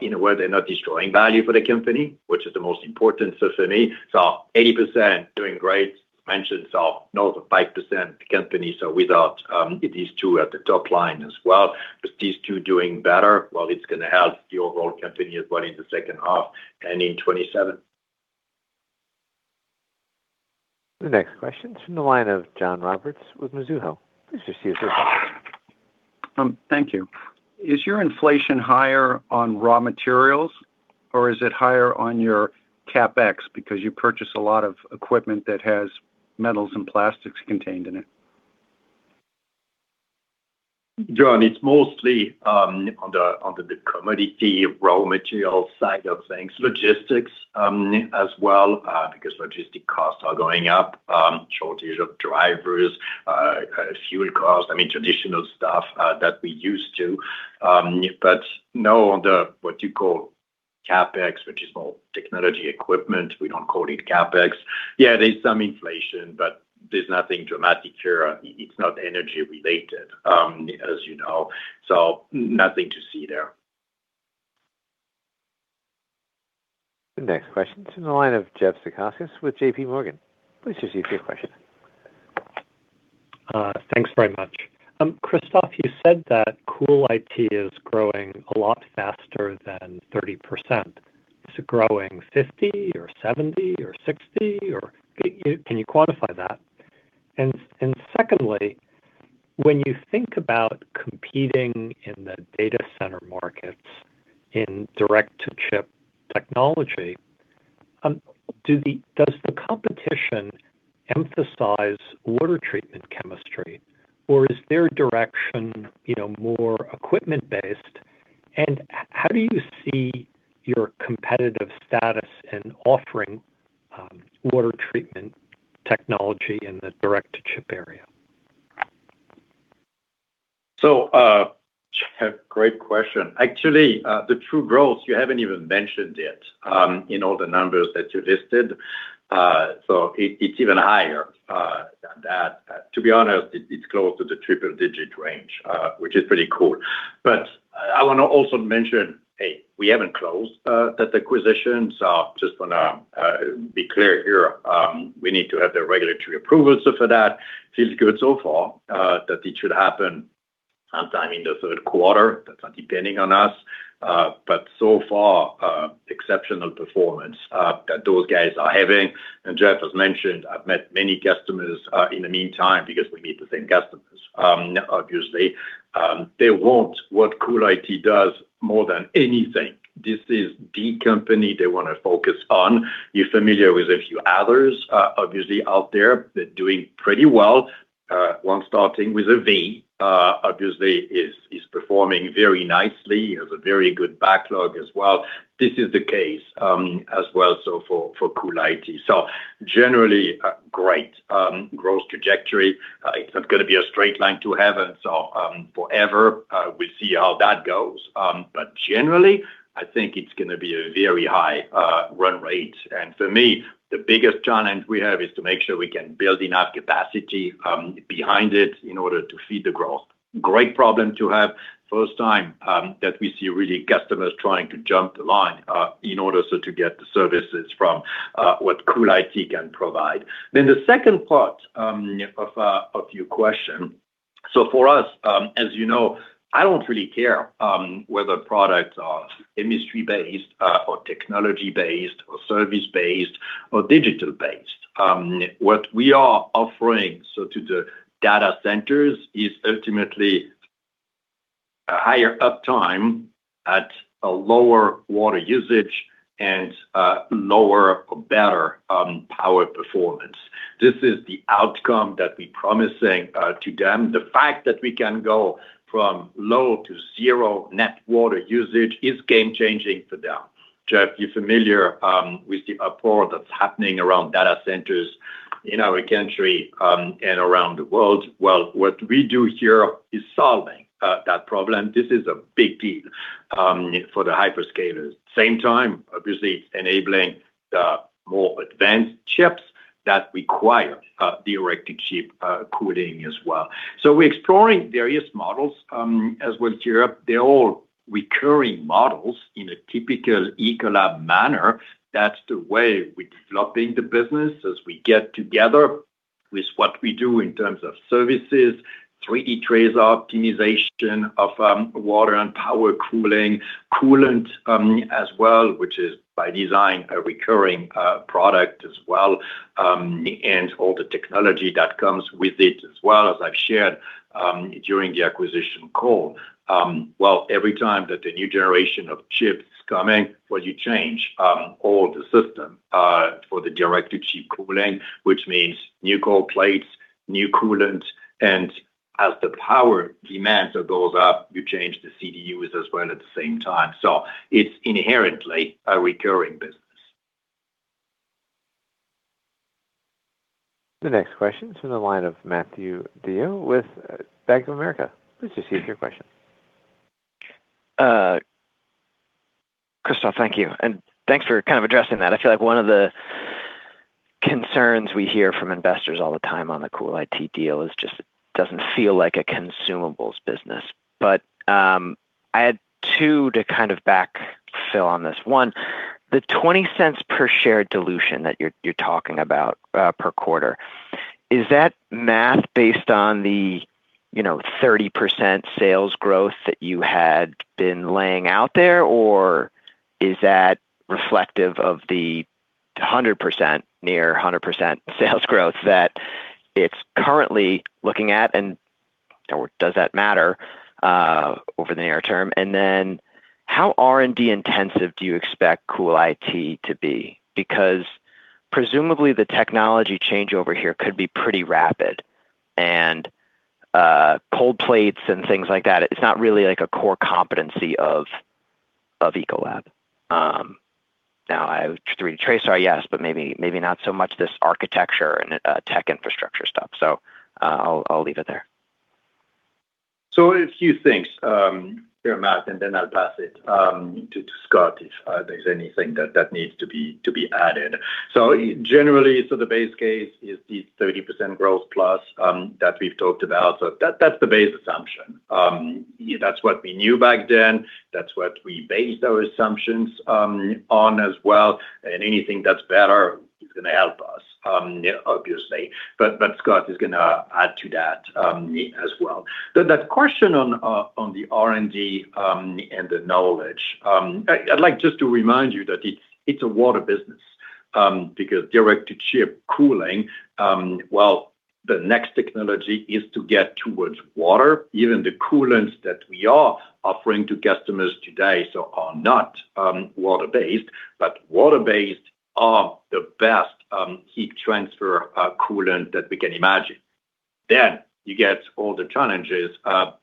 Speaker 3: In a way, they're not destroying value for the company, which is the most important so for me. 80% doing great. Mentioned so another 5% the company, so without these two at the top line as well. These two doing better, well, it's gonna help the overall company as well in the second half and in 2027.
Speaker 1: The next question's from the line of John Roberts with Mizuho. Please proceed with your question.
Speaker 15: Thank you. Is your inflation higher on raw materials or is it higher on your CapEx because you purchase a lot of equipment that has metals and plastics contained in it?
Speaker 3: John, it's mostly on the, on the commodity raw material side of things. Logistics as well, because logistic costs are going up. Shortage of drivers, fuel costs. I mean, traditional stuff that we used to, but no on the, what you call CapEx, which is more technology equipment. We don't call it CapEx. Yeah, there's some inflation, but there's nothing dramatic here. It's not energy related, as you know, so nothing to see there.
Speaker 1: The next question's in the line of Jeffrey Zekauskas with JPMorgan. Please proceed with your question.
Speaker 16: Thanks very much. Christophe, you said that CoolIT is growing a lot faster than 30%. Is it growing 50 or 70 or 60 or can you quantify that? Secondly, when you think about competing in the data center markets in direct to chip technology, does the competition emphasize water treatment chemistry, or is their direction more equipment-based? How do you see your competitive status in offering water treatment technology in the direct to chip area?
Speaker 3: Jeff, great question. Actually, the true growth, you haven't even mentioned it, in all the numbers that you listed. It's even higher than that. To be honest, it's close to the triple digit range, which is pretty cool. I wanna also mention, A, we haven't closed that acquisition, so just wanna be clear here. We need to have the regulatory approval. For that, feels good so far, that it should happen sometime in the third quarter. That's not depending on us. But so far, exceptional performance that those guys are having. Jeff has mentioned, I've met many customers in the meantime because we meet the same customers, obviously. They want what CoolIT does more than anything. This is the company they wanna focus on. You're familiar with a few others, obviously out there. They're doing pretty well. One starting with a V, obviously is performing very nicely, has a very good backlog as well. This is the case as well so for CoolIT. Generally a great growth trajectory. It's not gonna be a straight line to heaven, forever, we see how that goes. Generally I think it's gonna be a very high run rate. For me, the biggest challenge we have is to make sure we can build enough capacity behind it in order to feed the growth. Great problem to have. First time that we see really customers trying to jump the line in order so to get the services from what CoolIT can provide. The second part of your question. For us, as you know, I don't really care whether products are industry-based or technology-based or service-based or digital-based. What we are offering to the data centers is ultimately a higher uptime at a lower water usage and lower or better power performance. This is the outcome that we promising to them. The fact that we can go from low to zero net water usage is game changing for them. Jeff, you're familiar with the uproar that's happening around data centers in our country and around the world. Well, what we do here is solving that problem. This is a big deal for the hyperscalers. Same time, obviously it's enabling the more advanced chips that require direct to chip cooling as well. We're exploring various models, as well as Europe. They're all recurring models in a typical Ecolab manner. That's the way we're developing the business as we get together with what we do in terms of services, 3D TRASAR optimization of water and power cooling, coolant, as well, which is by design a recurring product as well, and all the technology that comes with it as well, as I've shared during the acquisition call. Every time that the new generation of chips coming, you change all the system for the direct to chip cooling, which means new cold plates, new coolant, and as the power demands goes up, you change the CDUs as well at the same time. It's inherently a recurring business.
Speaker 1: The next question's from the line of Matthew Deyoe with Bank of America. Please proceed with your question.
Speaker 17: First off, thank you, and thanks for kind of addressing that. I feel like one of the concerns we hear from investors all the time on the CoolIT deal is just it doesn't feel like a consumables business. I had two to kind of backfill on this. One, the $0.20 per share dilution that you're talking about per quarter, is that math based on the, you know, 30% sales growth that you had been laying out there? Is that reflective of the 100%, near 100% sales growth that it's currently looking at? Does that matter over the near term? How R&D intensive do you expect CoolIT to be? Presumably the technology change over here could be pretty rapid. Cold plates and things like that, it's not really like a core competency of Ecolab. Now I have 3D TRASAR, yes, but maybe not so much this architecture and tech infrastructure stuff. I'll leave it there.
Speaker 3: A few things here, Matt, and then I'll pass it to Scott if there's anything that needs to be added. Generally, the base case is the 30% growth plus that we've talked about. That's the base assumption. That's what we knew back then. That's what we based our assumptions on as well. Anything that's better is gonna help us, obviously. Scott is gonna add to that as well. That question on the R&D and the knowledge. I'd like just to remind you that it's a water business because direct to chip cooling, well, the next technology is to get towards water. The coolants that we are offering to customers today are not water-based, but water-based are the best heat transfer coolant that we can imagine. You get all the challenges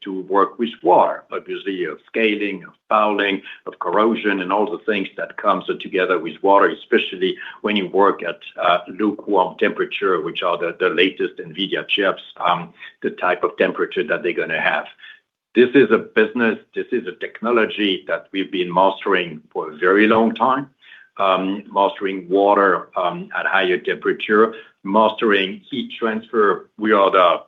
Speaker 3: to work with water, obviously, of scaling, of fouling, of corrosion, and all the things that comes together with water, especially when you work at a lukewarm temperature, which are the latest NVIDIA chips, the type of temperature that they're gonna have. This is a business. This is a technology that we've been mastering for a very long time, mastering water at higher temperature, mastering heat transfer. We are the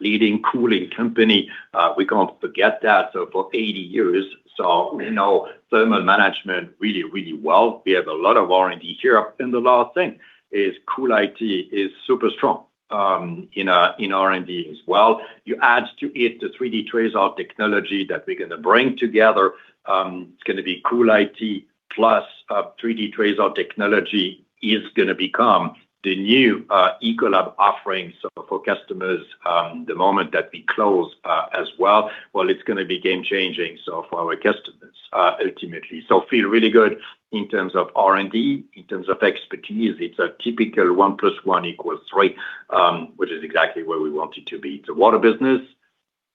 Speaker 3: leading cooling company. We can't forget that for 80 years. We know thermal management really, really well. We have a lot of R&D here. The last thing is CoolIT is super strong in R&D as well. You add to it the 3D TRASAR technology that we're gonna bring together. It's gonna be CoolIT plus 3D TRASAR technology is gonna become the new Ecolab offering. For customers, the moment that we close as well, well it's gonna be game changing, so for our customers ultimately. Feel really good in terms of R&D. In terms of expertise, it's a typical one plus one equals three, which is exactly where we want it to be. It's a water business.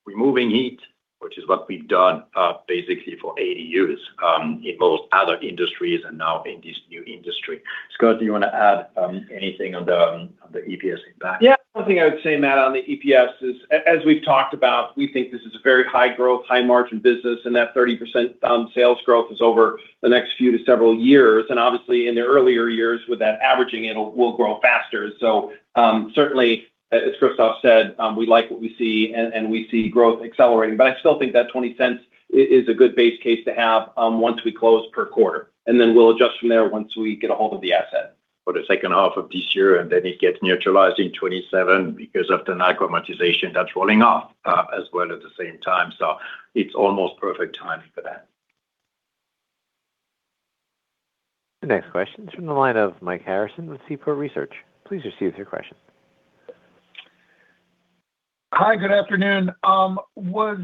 Speaker 3: Removing heat, which is what we've done basically for 80 years in most other industries and now in this new industry. Scott, do you wanna add anything on the EPS impact?
Speaker 9: One thing I would say, Matt, on the EPS is as we've talked about, we think this is a very high growth, high margin business, and that 30% on sales growth is over the next few to several years. Obviously, in the earlier years with that averaging, we'll grow faster. Certainly as Christophe Beck said, we like what we see and we see growth accelerating. I still think that $0.20 is a good base case to have once we close per quarter, then we'll adjust from there once we get a hold of the asset.
Speaker 3: For the second half of this year, it gets neutralized in 27 because of the Niagara monetization that's rolling off as well at the same time. It's almost perfect timing for that.
Speaker 1: The next question is from the line of Mike Harrison with Seaport Research.
Speaker 18: Hi, good afternoon. Was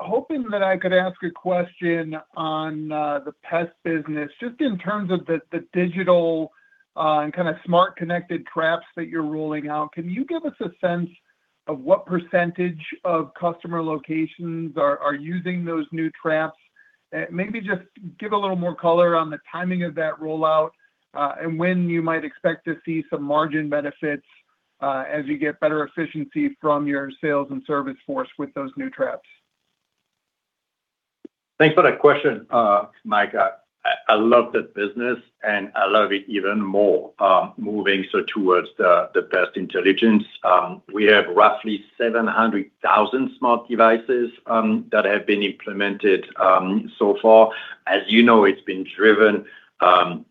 Speaker 18: hoping that I could ask a question on the Pest Elimination business, just in terms of the Ecolab Digital, and kinda smart connected traps that you're rolling out. Can you give us a sense of what percentage of customer locations are using those new traps? Maybe just give a little more color on the timing of that rollout, and when you might expect to see some margin benefits, as you get better efficiency from your sales and service force with those new traps.
Speaker 3: Thanks for that question, Mike. I love that business, and I love it even more, moving towards the Pest Intelligence. We have roughly 700,000 smart devices that have been implemented so far. As you know, it's been driven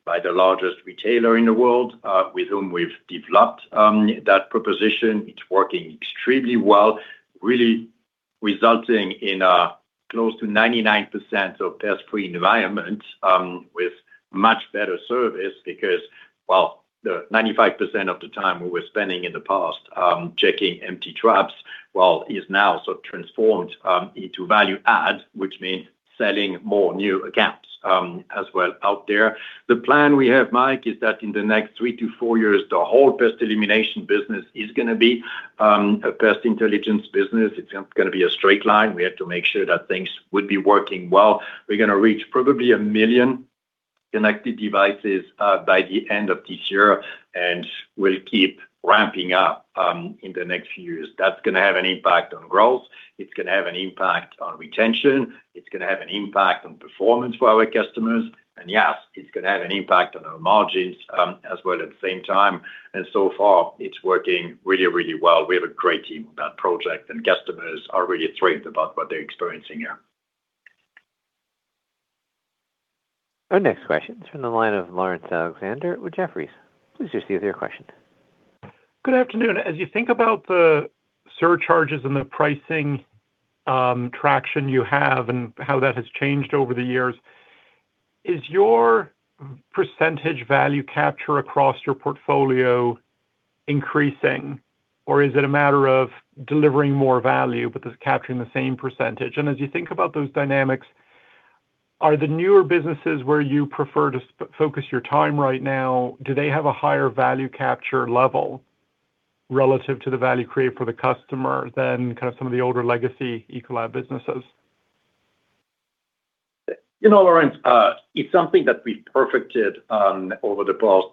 Speaker 3: by the largest retailer in the world, with whom we've developed that proposition. It's working extremely well, really resulting in close to 99% of pest-free environment, with much better service because, well, the 95% of the time we were spending in the past checking empty traps, well, is now sort of transformed into value add, which means selling more new accounts as well out there. The plan we have, Mike, is that in the next three to four years, the whole Pest Elimination business is gonna be a Pest Intelligence business. It's not gonna be a straight line. We have to make sure that things would be working well. We're gonna reach probably one million connected devices by the end of this year, and we'll keep ramping up in the next few years. That's gonna have an impact on growth. It's gonna have an impact on retention. It's gonna have an impact on performance for our customers. Yes, it's gonna have an impact on our margins as well at the same time. So far it's working really, really well. We have a great team on that project, and customers are really thrilled about what they're experiencing.
Speaker 1: Our next question is from the line of Laurence Alexander with Jefferies. Please proceed with your question.
Speaker 19: Good afternoon. As you think about the surcharges and the pricing, traction you have and how that has changed over the years, is your percentage value capture across your portfolio increasing or is it a matter of delivering more value but just capturing the same percentage? As you think about those dynamics, are the newer businesses where you prefer to focus your time right now, do they have a higher value capture level relative to the value created for the customer than kind of some of the older legacy Ecolab businesses?
Speaker 3: You know, Laurence, it's something that we've perfected over the past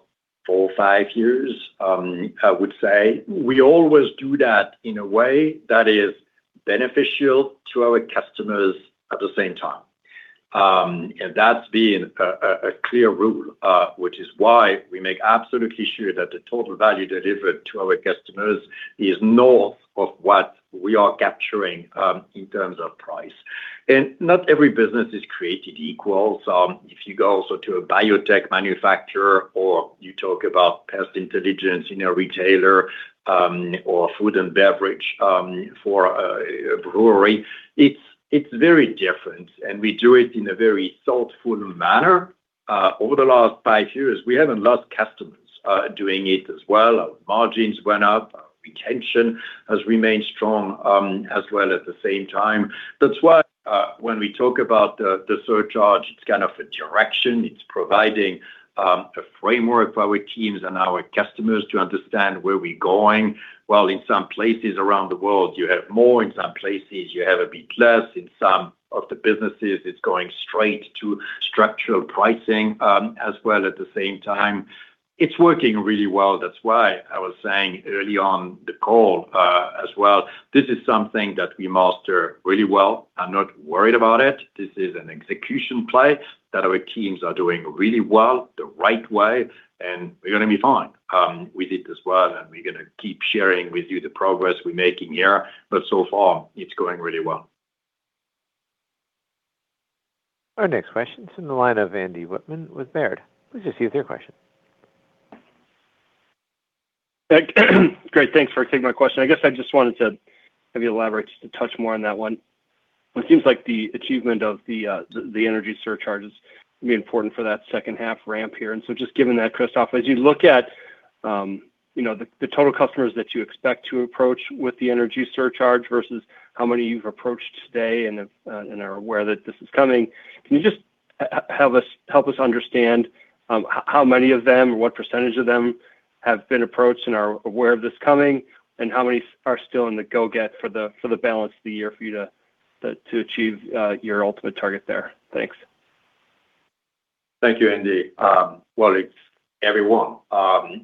Speaker 3: four, five years, I would say. We always do that in a way that is beneficial to our customers at the same time. And that's been a clear rule, which is why we make absolutely sure that the total value delivered to our customers is north of what we are capturing in terms of price. Not every business is created equal. If you go also to a biotech manufacturer or you talk about Pest Intelligence in a retailer, or Food & Beverage for a brewery, it's very different and we do it in a very thoughtful manner. Over the last five years we haven't lost customers doing it as well. Our margins went up, our retention has remained strong, as well at the same time. That's why, when we talk about the surcharge, it's kind of a direction. It's providing a framework for our teams and our customers to understand where we're going. While in some places around the world you have more, in some places you have a bit less. In some of the businesses it's going straight to structural pricing, as well at the same time. It's working really well. That's why I was saying early on the call, as well this is something that we master really well. I'm not worried about it. This is an execution play that our teams are doing really well the right way, and we're gonna be fine. We did this well, and we're gonna keep sharing with you the progress we're making here. So far it's going really well.
Speaker 1: Our next question is in the line of Andrew Wittmann with Baird. Please proceed with your question.
Speaker 20: Great. Thanks for taking my question. I guess I just wanted to have you elaborate, just to touch more on that one. It seems like the achievement of the energy surcharges will be important for that second half ramp here. Just given that, Christophe, as you look at, you know, the total customers that you expect to approach with the energy surcharge versus how many you've approached today and are aware that this is coming, can you just help us understand how many of them or what percentage of them have been approached and are aware of this coming? How many are still in the go-get for the balance of the year for you to achieve your ultimate target there? Thanks.
Speaker 3: Thank you, Andy. It's everyone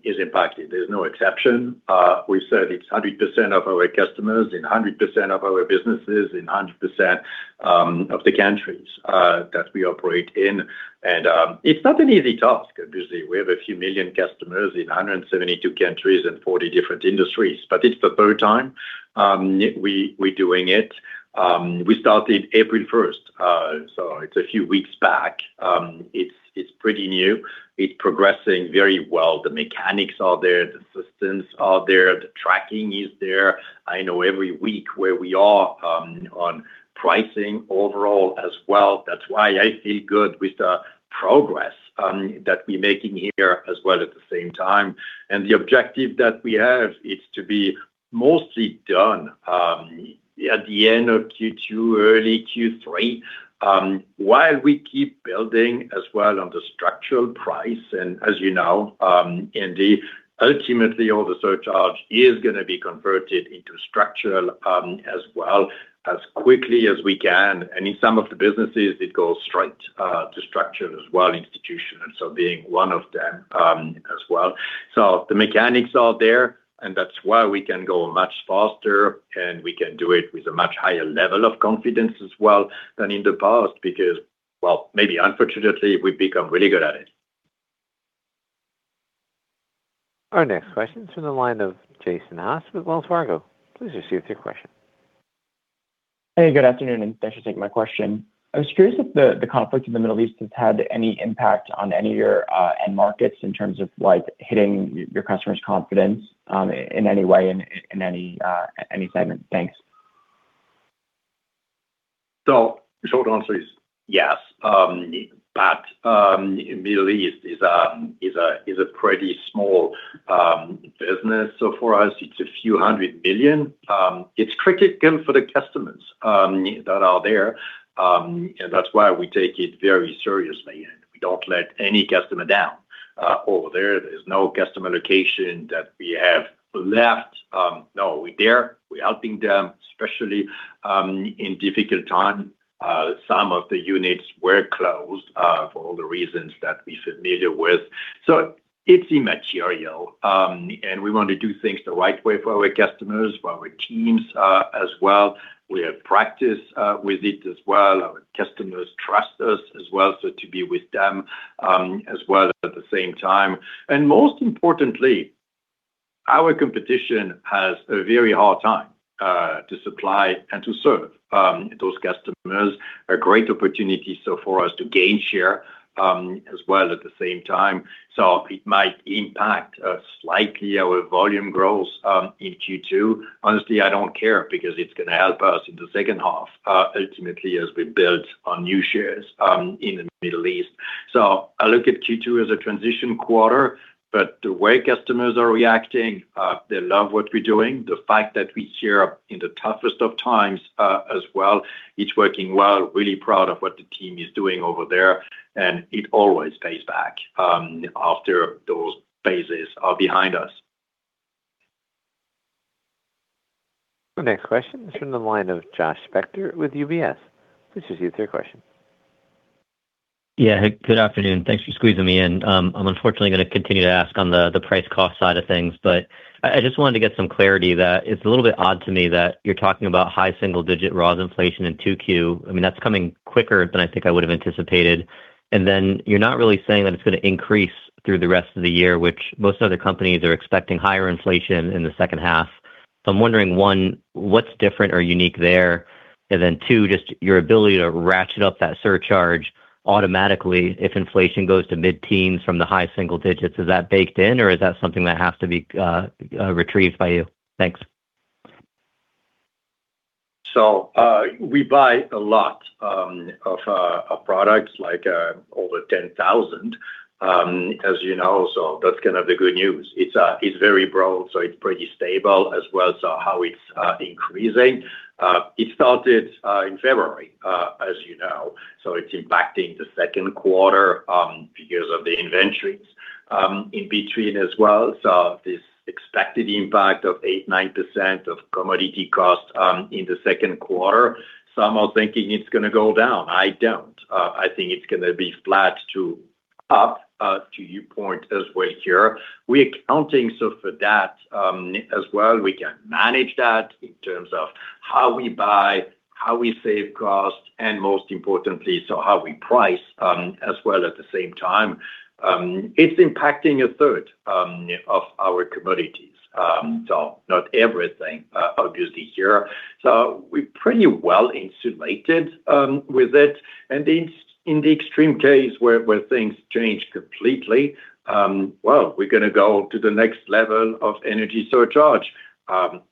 Speaker 3: is impacted. There's no exception. We said it's 100% of our customers in 100% of our businesses in 100% of the countries that we operate in. It's not an easy task. Obviously, we have a few million customers in 172 countries and 40 different industries, but it's the third time we doing it. We started April 1, it's a few weeks back. It's pretty new. It's progressing very well. The mechanics are there. The systems are there. The tracking is there. I know every week where we are on pricing overall as well. That's why I feel good with the progress that we making here as well at the same time. The objective that we have is to be mostly done at the end of Q2, early Q3, while we keep building as well on the structural price. As you know, Andy, ultimately all the surcharge is gonna be converted into structural as well as quickly as we can. In some of the businesses it goes straight to structural as well, Institutional & Specialty being one of them as well. The mechanics are there and that's why we can go much faster and we can do it with a much higher level of confidence as well than in the past because, well, maybe unfortunately, we've become really good at it.
Speaker 1: Our next question is from the line of Jason Haas with Wells Fargo. Please proceed with your question.
Speaker 21: Good afternoon, thanks for taking my question. I was curious if the conflict in the Middle East has had any impact on any of your end markets in terms of like hitting your customers' confidence in any way in any segment? Thanks.
Speaker 3: Short answer is yes. Middle East is a pretty small business. For us it's a few hundred million. It's critical for the customers that are there. That's why we take it very seriously and we don't let any customer down. Over there there's no customer location that we have left. No, we're there. We are helping them, especially, in difficult time. Some of the units were closed for all the reasons that we're familiar with. It's immaterial. We want to do things the right way for our customers, for our teams, as well. We have practice with it as well. Our customers trust us as well to be with them as well at the same time. Most importantly, our competition has a very hard time to supply and to serve those customers. A great opportunity so for us to gain share as well at the same time. It might impact slightly our volume growth in Q2. Honestly, I don't care because it's gonna help us in the second half ultimately as we build on new shares in the Middle East. I look at Q2 as a transition quarter, but the way customers are reacting, they love what we're doing. The fact that we share in the toughest of times as well, it's working well. Really proud of what the team is doing over there, and it always pays back after those phases are behind us.
Speaker 1: The next question is from the line of Joshua Spector with UBS. Please proceed with your question.
Speaker 22: Yeah. Good afternoon. Thanks for squeezing me in. I'm unfortunately gonna continue to ask on the price cost side of things, but I just wanted to get some clarity that it's a little bit odd to me that you're talking about high single-digit raw inflation in 2Q. I mean, that's coming quicker than I think I would have anticipated. You're not really saying that it's gonna increase through the rest of the year, which most other companies are expecting higher inflation in the second half. I'm wondering, one, what's different or unique there? Two, just your ability to ratchet up that surcharge automatically if inflation goes to mid-teens from the high single digits, is that baked in, or is that something that has to be retrieved by you? Thanks.
Speaker 3: We buy a lot of products, like over 10,000, as you know, that's kind of the good news. It's very broad, so it's pretty stable as well as how it's increasing. It started in February, as you know, so it's impacting the second quarter because of the inventories in between as well. This expected impact of 8%, 9% of commodity costs in the second quarter. Some are thinking it's gonna go down. I don't. I think it's gonna be flat to up to your point as well here. We're accounting so for that as well. We can manage that in terms of how we buy, how we save costs, and most importantly, so how we price as well at the same time. It's impacting a third of our commodities. Not everything, obviously here. We're pretty well insulated with it. In the extreme case where things change completely, we're going to go to the next level of energy surcharge.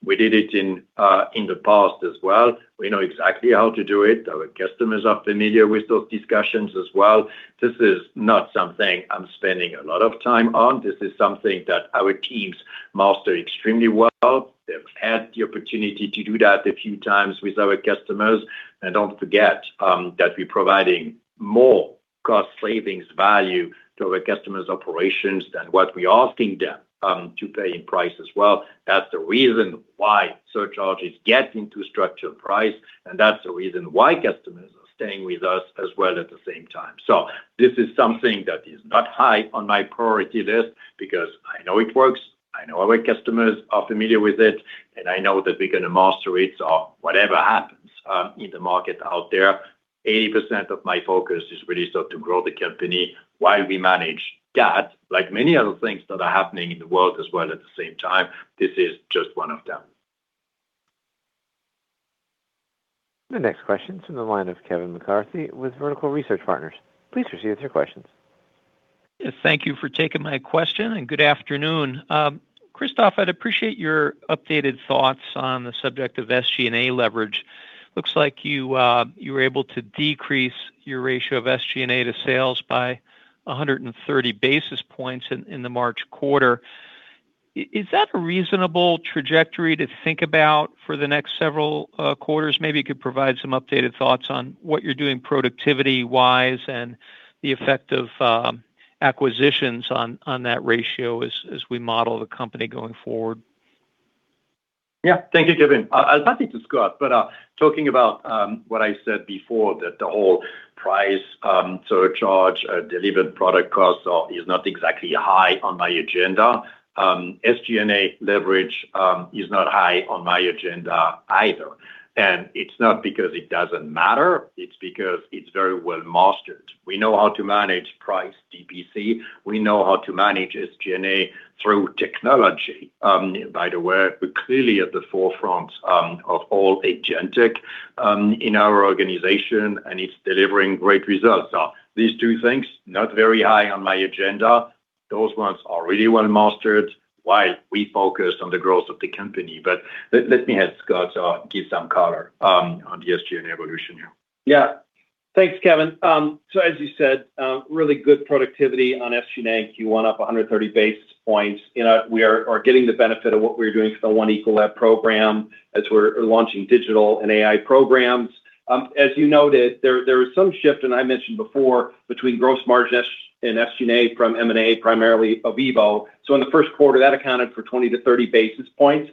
Speaker 3: We did it in the past as well. We know exactly how to do it. Our customers are familiar with those discussions as well. This is not something I'm spending a lot of time on. This is something that our teams master extremely well. They've had the opportunity to do that a few times with our customers. Don't forget that we're providing more cost savings value to our customers' operations than what we're asking them to pay in price as well. That's the reason why surcharge is getting to structured price, and that's the reason why customers are staying with us as well at the same time. This is something that is not high on my priority list because I know it works, I know our customers are familiar with it, and I know that we're gonna master it. Whatever happens in the market out there, 80% of my focus is really to grow the company while we manage that. Like many other things that are happening in the world as well at the same time, this is just one of them.
Speaker 1: The next question is from the line of Kevin McCarthy with Vertical Research Partners. Please proceed with your questions.
Speaker 23: Yes, thank you for taking my question, good afternoon. Christophe, I'd appreciate your updated thoughts on the subject of SG&A leverage. Looks like you were able to decrease your ratio of SG&A to sales by 130 basis points in the March quarter. Is that a reasonable trajectory to think about for the next several quarters? Maybe you could provide some updated thoughts on what you're doing productivity-wise and the effect of acquisitions on that ratio as we model the company going forward.
Speaker 3: Yeah. Thank you, Kevin. I'll happy to Scott, but talking about what I said before, that the whole price surcharge, delivered product cost, is not exactly high on my agenda. SG&A leverage is not high on my agenda either. It's not because it doesn't matter, it's because it's very well mastered. We know how to manage price DBC. We know how to manage SG&A through technology. By the way, we're clearly at the forefront of all Agentic in our organization, and it's delivering great results. These two things, not very high on my agenda. Those ones are really well mastered while we focus on the growth of the company. Let me have Scott give some color on the SG&A evolution here.
Speaker 9: Yeah. Thanks, Kevin. As you said, really good productivity on SG&A in Q1, up 130 basis points. You know, we are getting the benefit of what we're doing for the One Ecolab program as we're launching digital and AI programs. As you noted, there is some shift, and I mentioned before, between gross margins and SG&A from M&A, primarily Aveva. In the first quarter, that accounted for 20 to 30 basis points,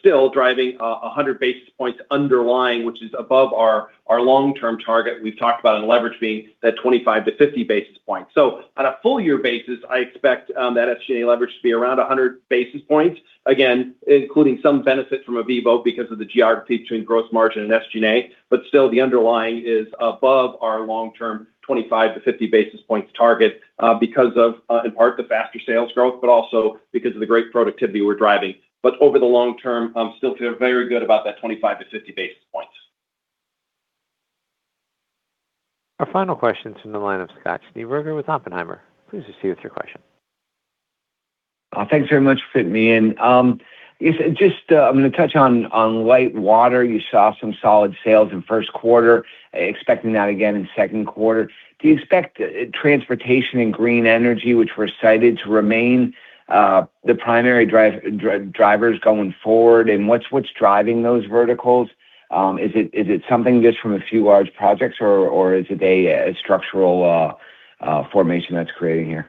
Speaker 9: still driving 100 basis points underlying, which is above our long-term target. We've talked about in leverage being that 25 to 50 basis points. On a full year basis, I expect that SG&A leverage to be around 100 basis points, again, including some benefit from Ovivo because of the GR between gross margin and SG&A, but still the underlying is above our long-term 25 to 50 basis points target because of in part the faster sales growth, but also because of the great productivity we're driving. Over the long term, I'm still feel very good about that 25 to 50 basis points.
Speaker 1: Our final question's from the line of Scott Schneeberger with Oppenheimer. Please proceed with your question.
Speaker 24: Thanks very much for fitting me in. Yes, just, I'm gonna touch on light water. You saw some solid sales in first quarter, expecting that again in second quarter. Do you expect transportation and green energy, which we're excited to remain the primary drivers going forward? What's driving those verticals? Is it something just from a few large projects, or is it a structural formation that's creating here?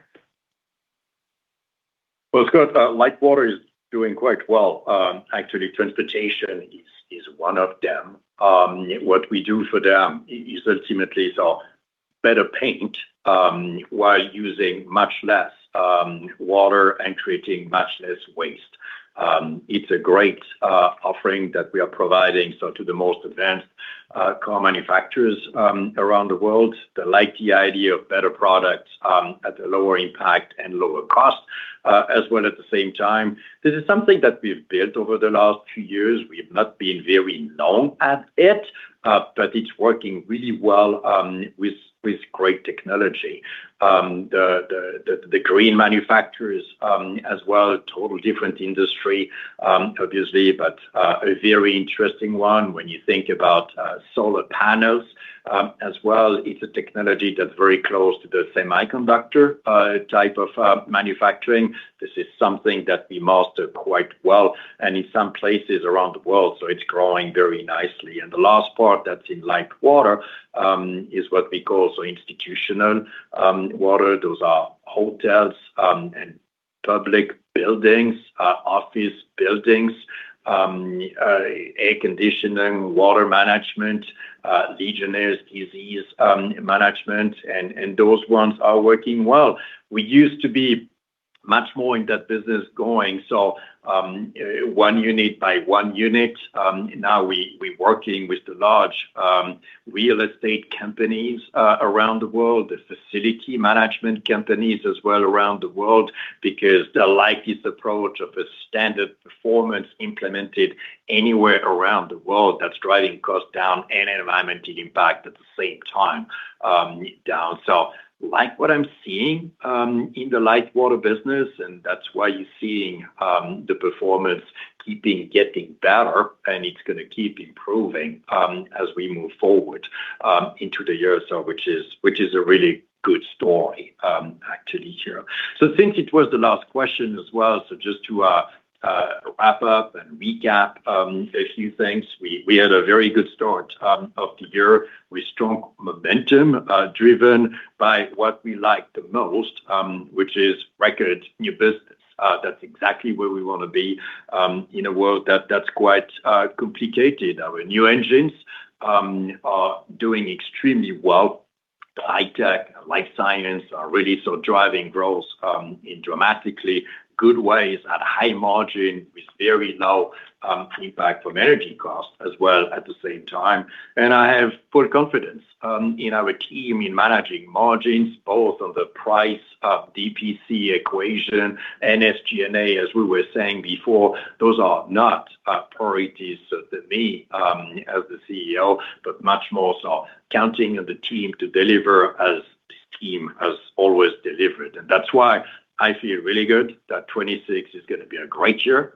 Speaker 3: Well, Scott, light water is doing quite well. Actually, transportation is one of them. What we do for them ultimately is a better paint, while using much less water and creating much less waste. It's a great offering that we are providing so to the most advanced car manufacturers around the world. They like the idea of better products at a lower impact and lower cost as well at the same time. This is something that we've built over the last two years. We've not been very long at it, but it's working really well with great technology. The green manufacturers as well, total different industry, obviously, but a very interesting one when you think about solar panels. As well, it's a technology that's very close to the semiconductor type of manufacturing. This is something that we master quite well and in some places around the world, so it's growing very nicely. The last part that's in light water is what we call so institutional water. Those are hotels and public buildings, office buildings, air conditioning, water management, Legionnaires' disease management, and those ones are working well. We used to be much more in that business going, so one unit by one unit. Now we working with the large real estate companies around the world, the facility management companies as well around the world because they like this approach of a standard performance implemented anywhere around the world that's driving costs down and environmental impact at the same time down. Like what I'm seeing in the light water business, and that's why you're seeing the performance keeping getting better, and it's gonna keep improving as we move forward into the year, which is a really good story actually here. I think it was the last question as well. Just to wrap up and recap a few things. We had a very good start of the year with strong momentum, driven by what we like the most, which is record new business. That's exactly where we wanna be in a world that's quite complicated. Our new engines are doing extremely well. The Global High-Tech and Life Sciences are really sort of driving growth in dramatically good ways at high margin with very low impact from energy costs as well at the same time. I have full confidence in our team in managing margins, both on the price of DPC equation and SG&A, as we were saying before. Those are not priorities of me as the CEO, but much more so counting on the team to deliver as this team has always delivered. That's why I feel really good that 2026 is gonna be a great year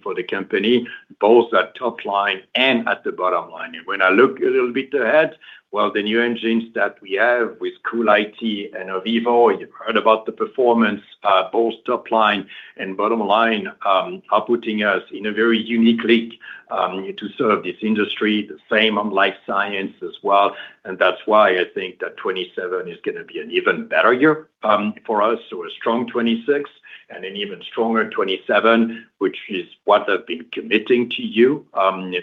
Speaker 3: for the company, both at top line and at the bottom line. When I look a little bit ahead, well, the new engines that we have with CoolIT and Ovivo, you've heard about the performance, both top line and bottom line, are putting us in a very unique league to serve this industry, the same on Life Sciences as well. That's why I think that 2027 is gonna be an even better year for us. A strong 2026 and an even stronger 2027, which is what I've been committing to you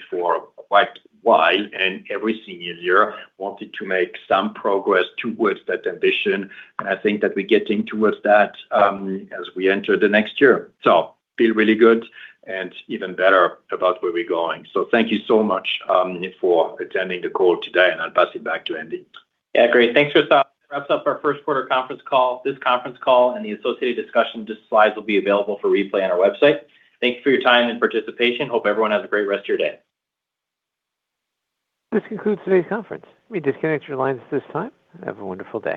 Speaker 3: for quite a while, and every single year wanted to make some progress towards that ambition. I think that we're getting towards that as we enter the next year. Feel really good and even better about where we're going. Thank you so much, for attending the call today, and I'll pass it back to Andrew.
Speaker 2: Yeah, great. Thanks, Christophe. Wraps up our first quarter conference call. This conference call and the associated discussion, the slides will be available for replay on our website. Thank you for your time and participation. Hope everyone has a great rest of your day.
Speaker 1: This concludes today's conference. You may disconnect your lines at this time. Have a wonderful day.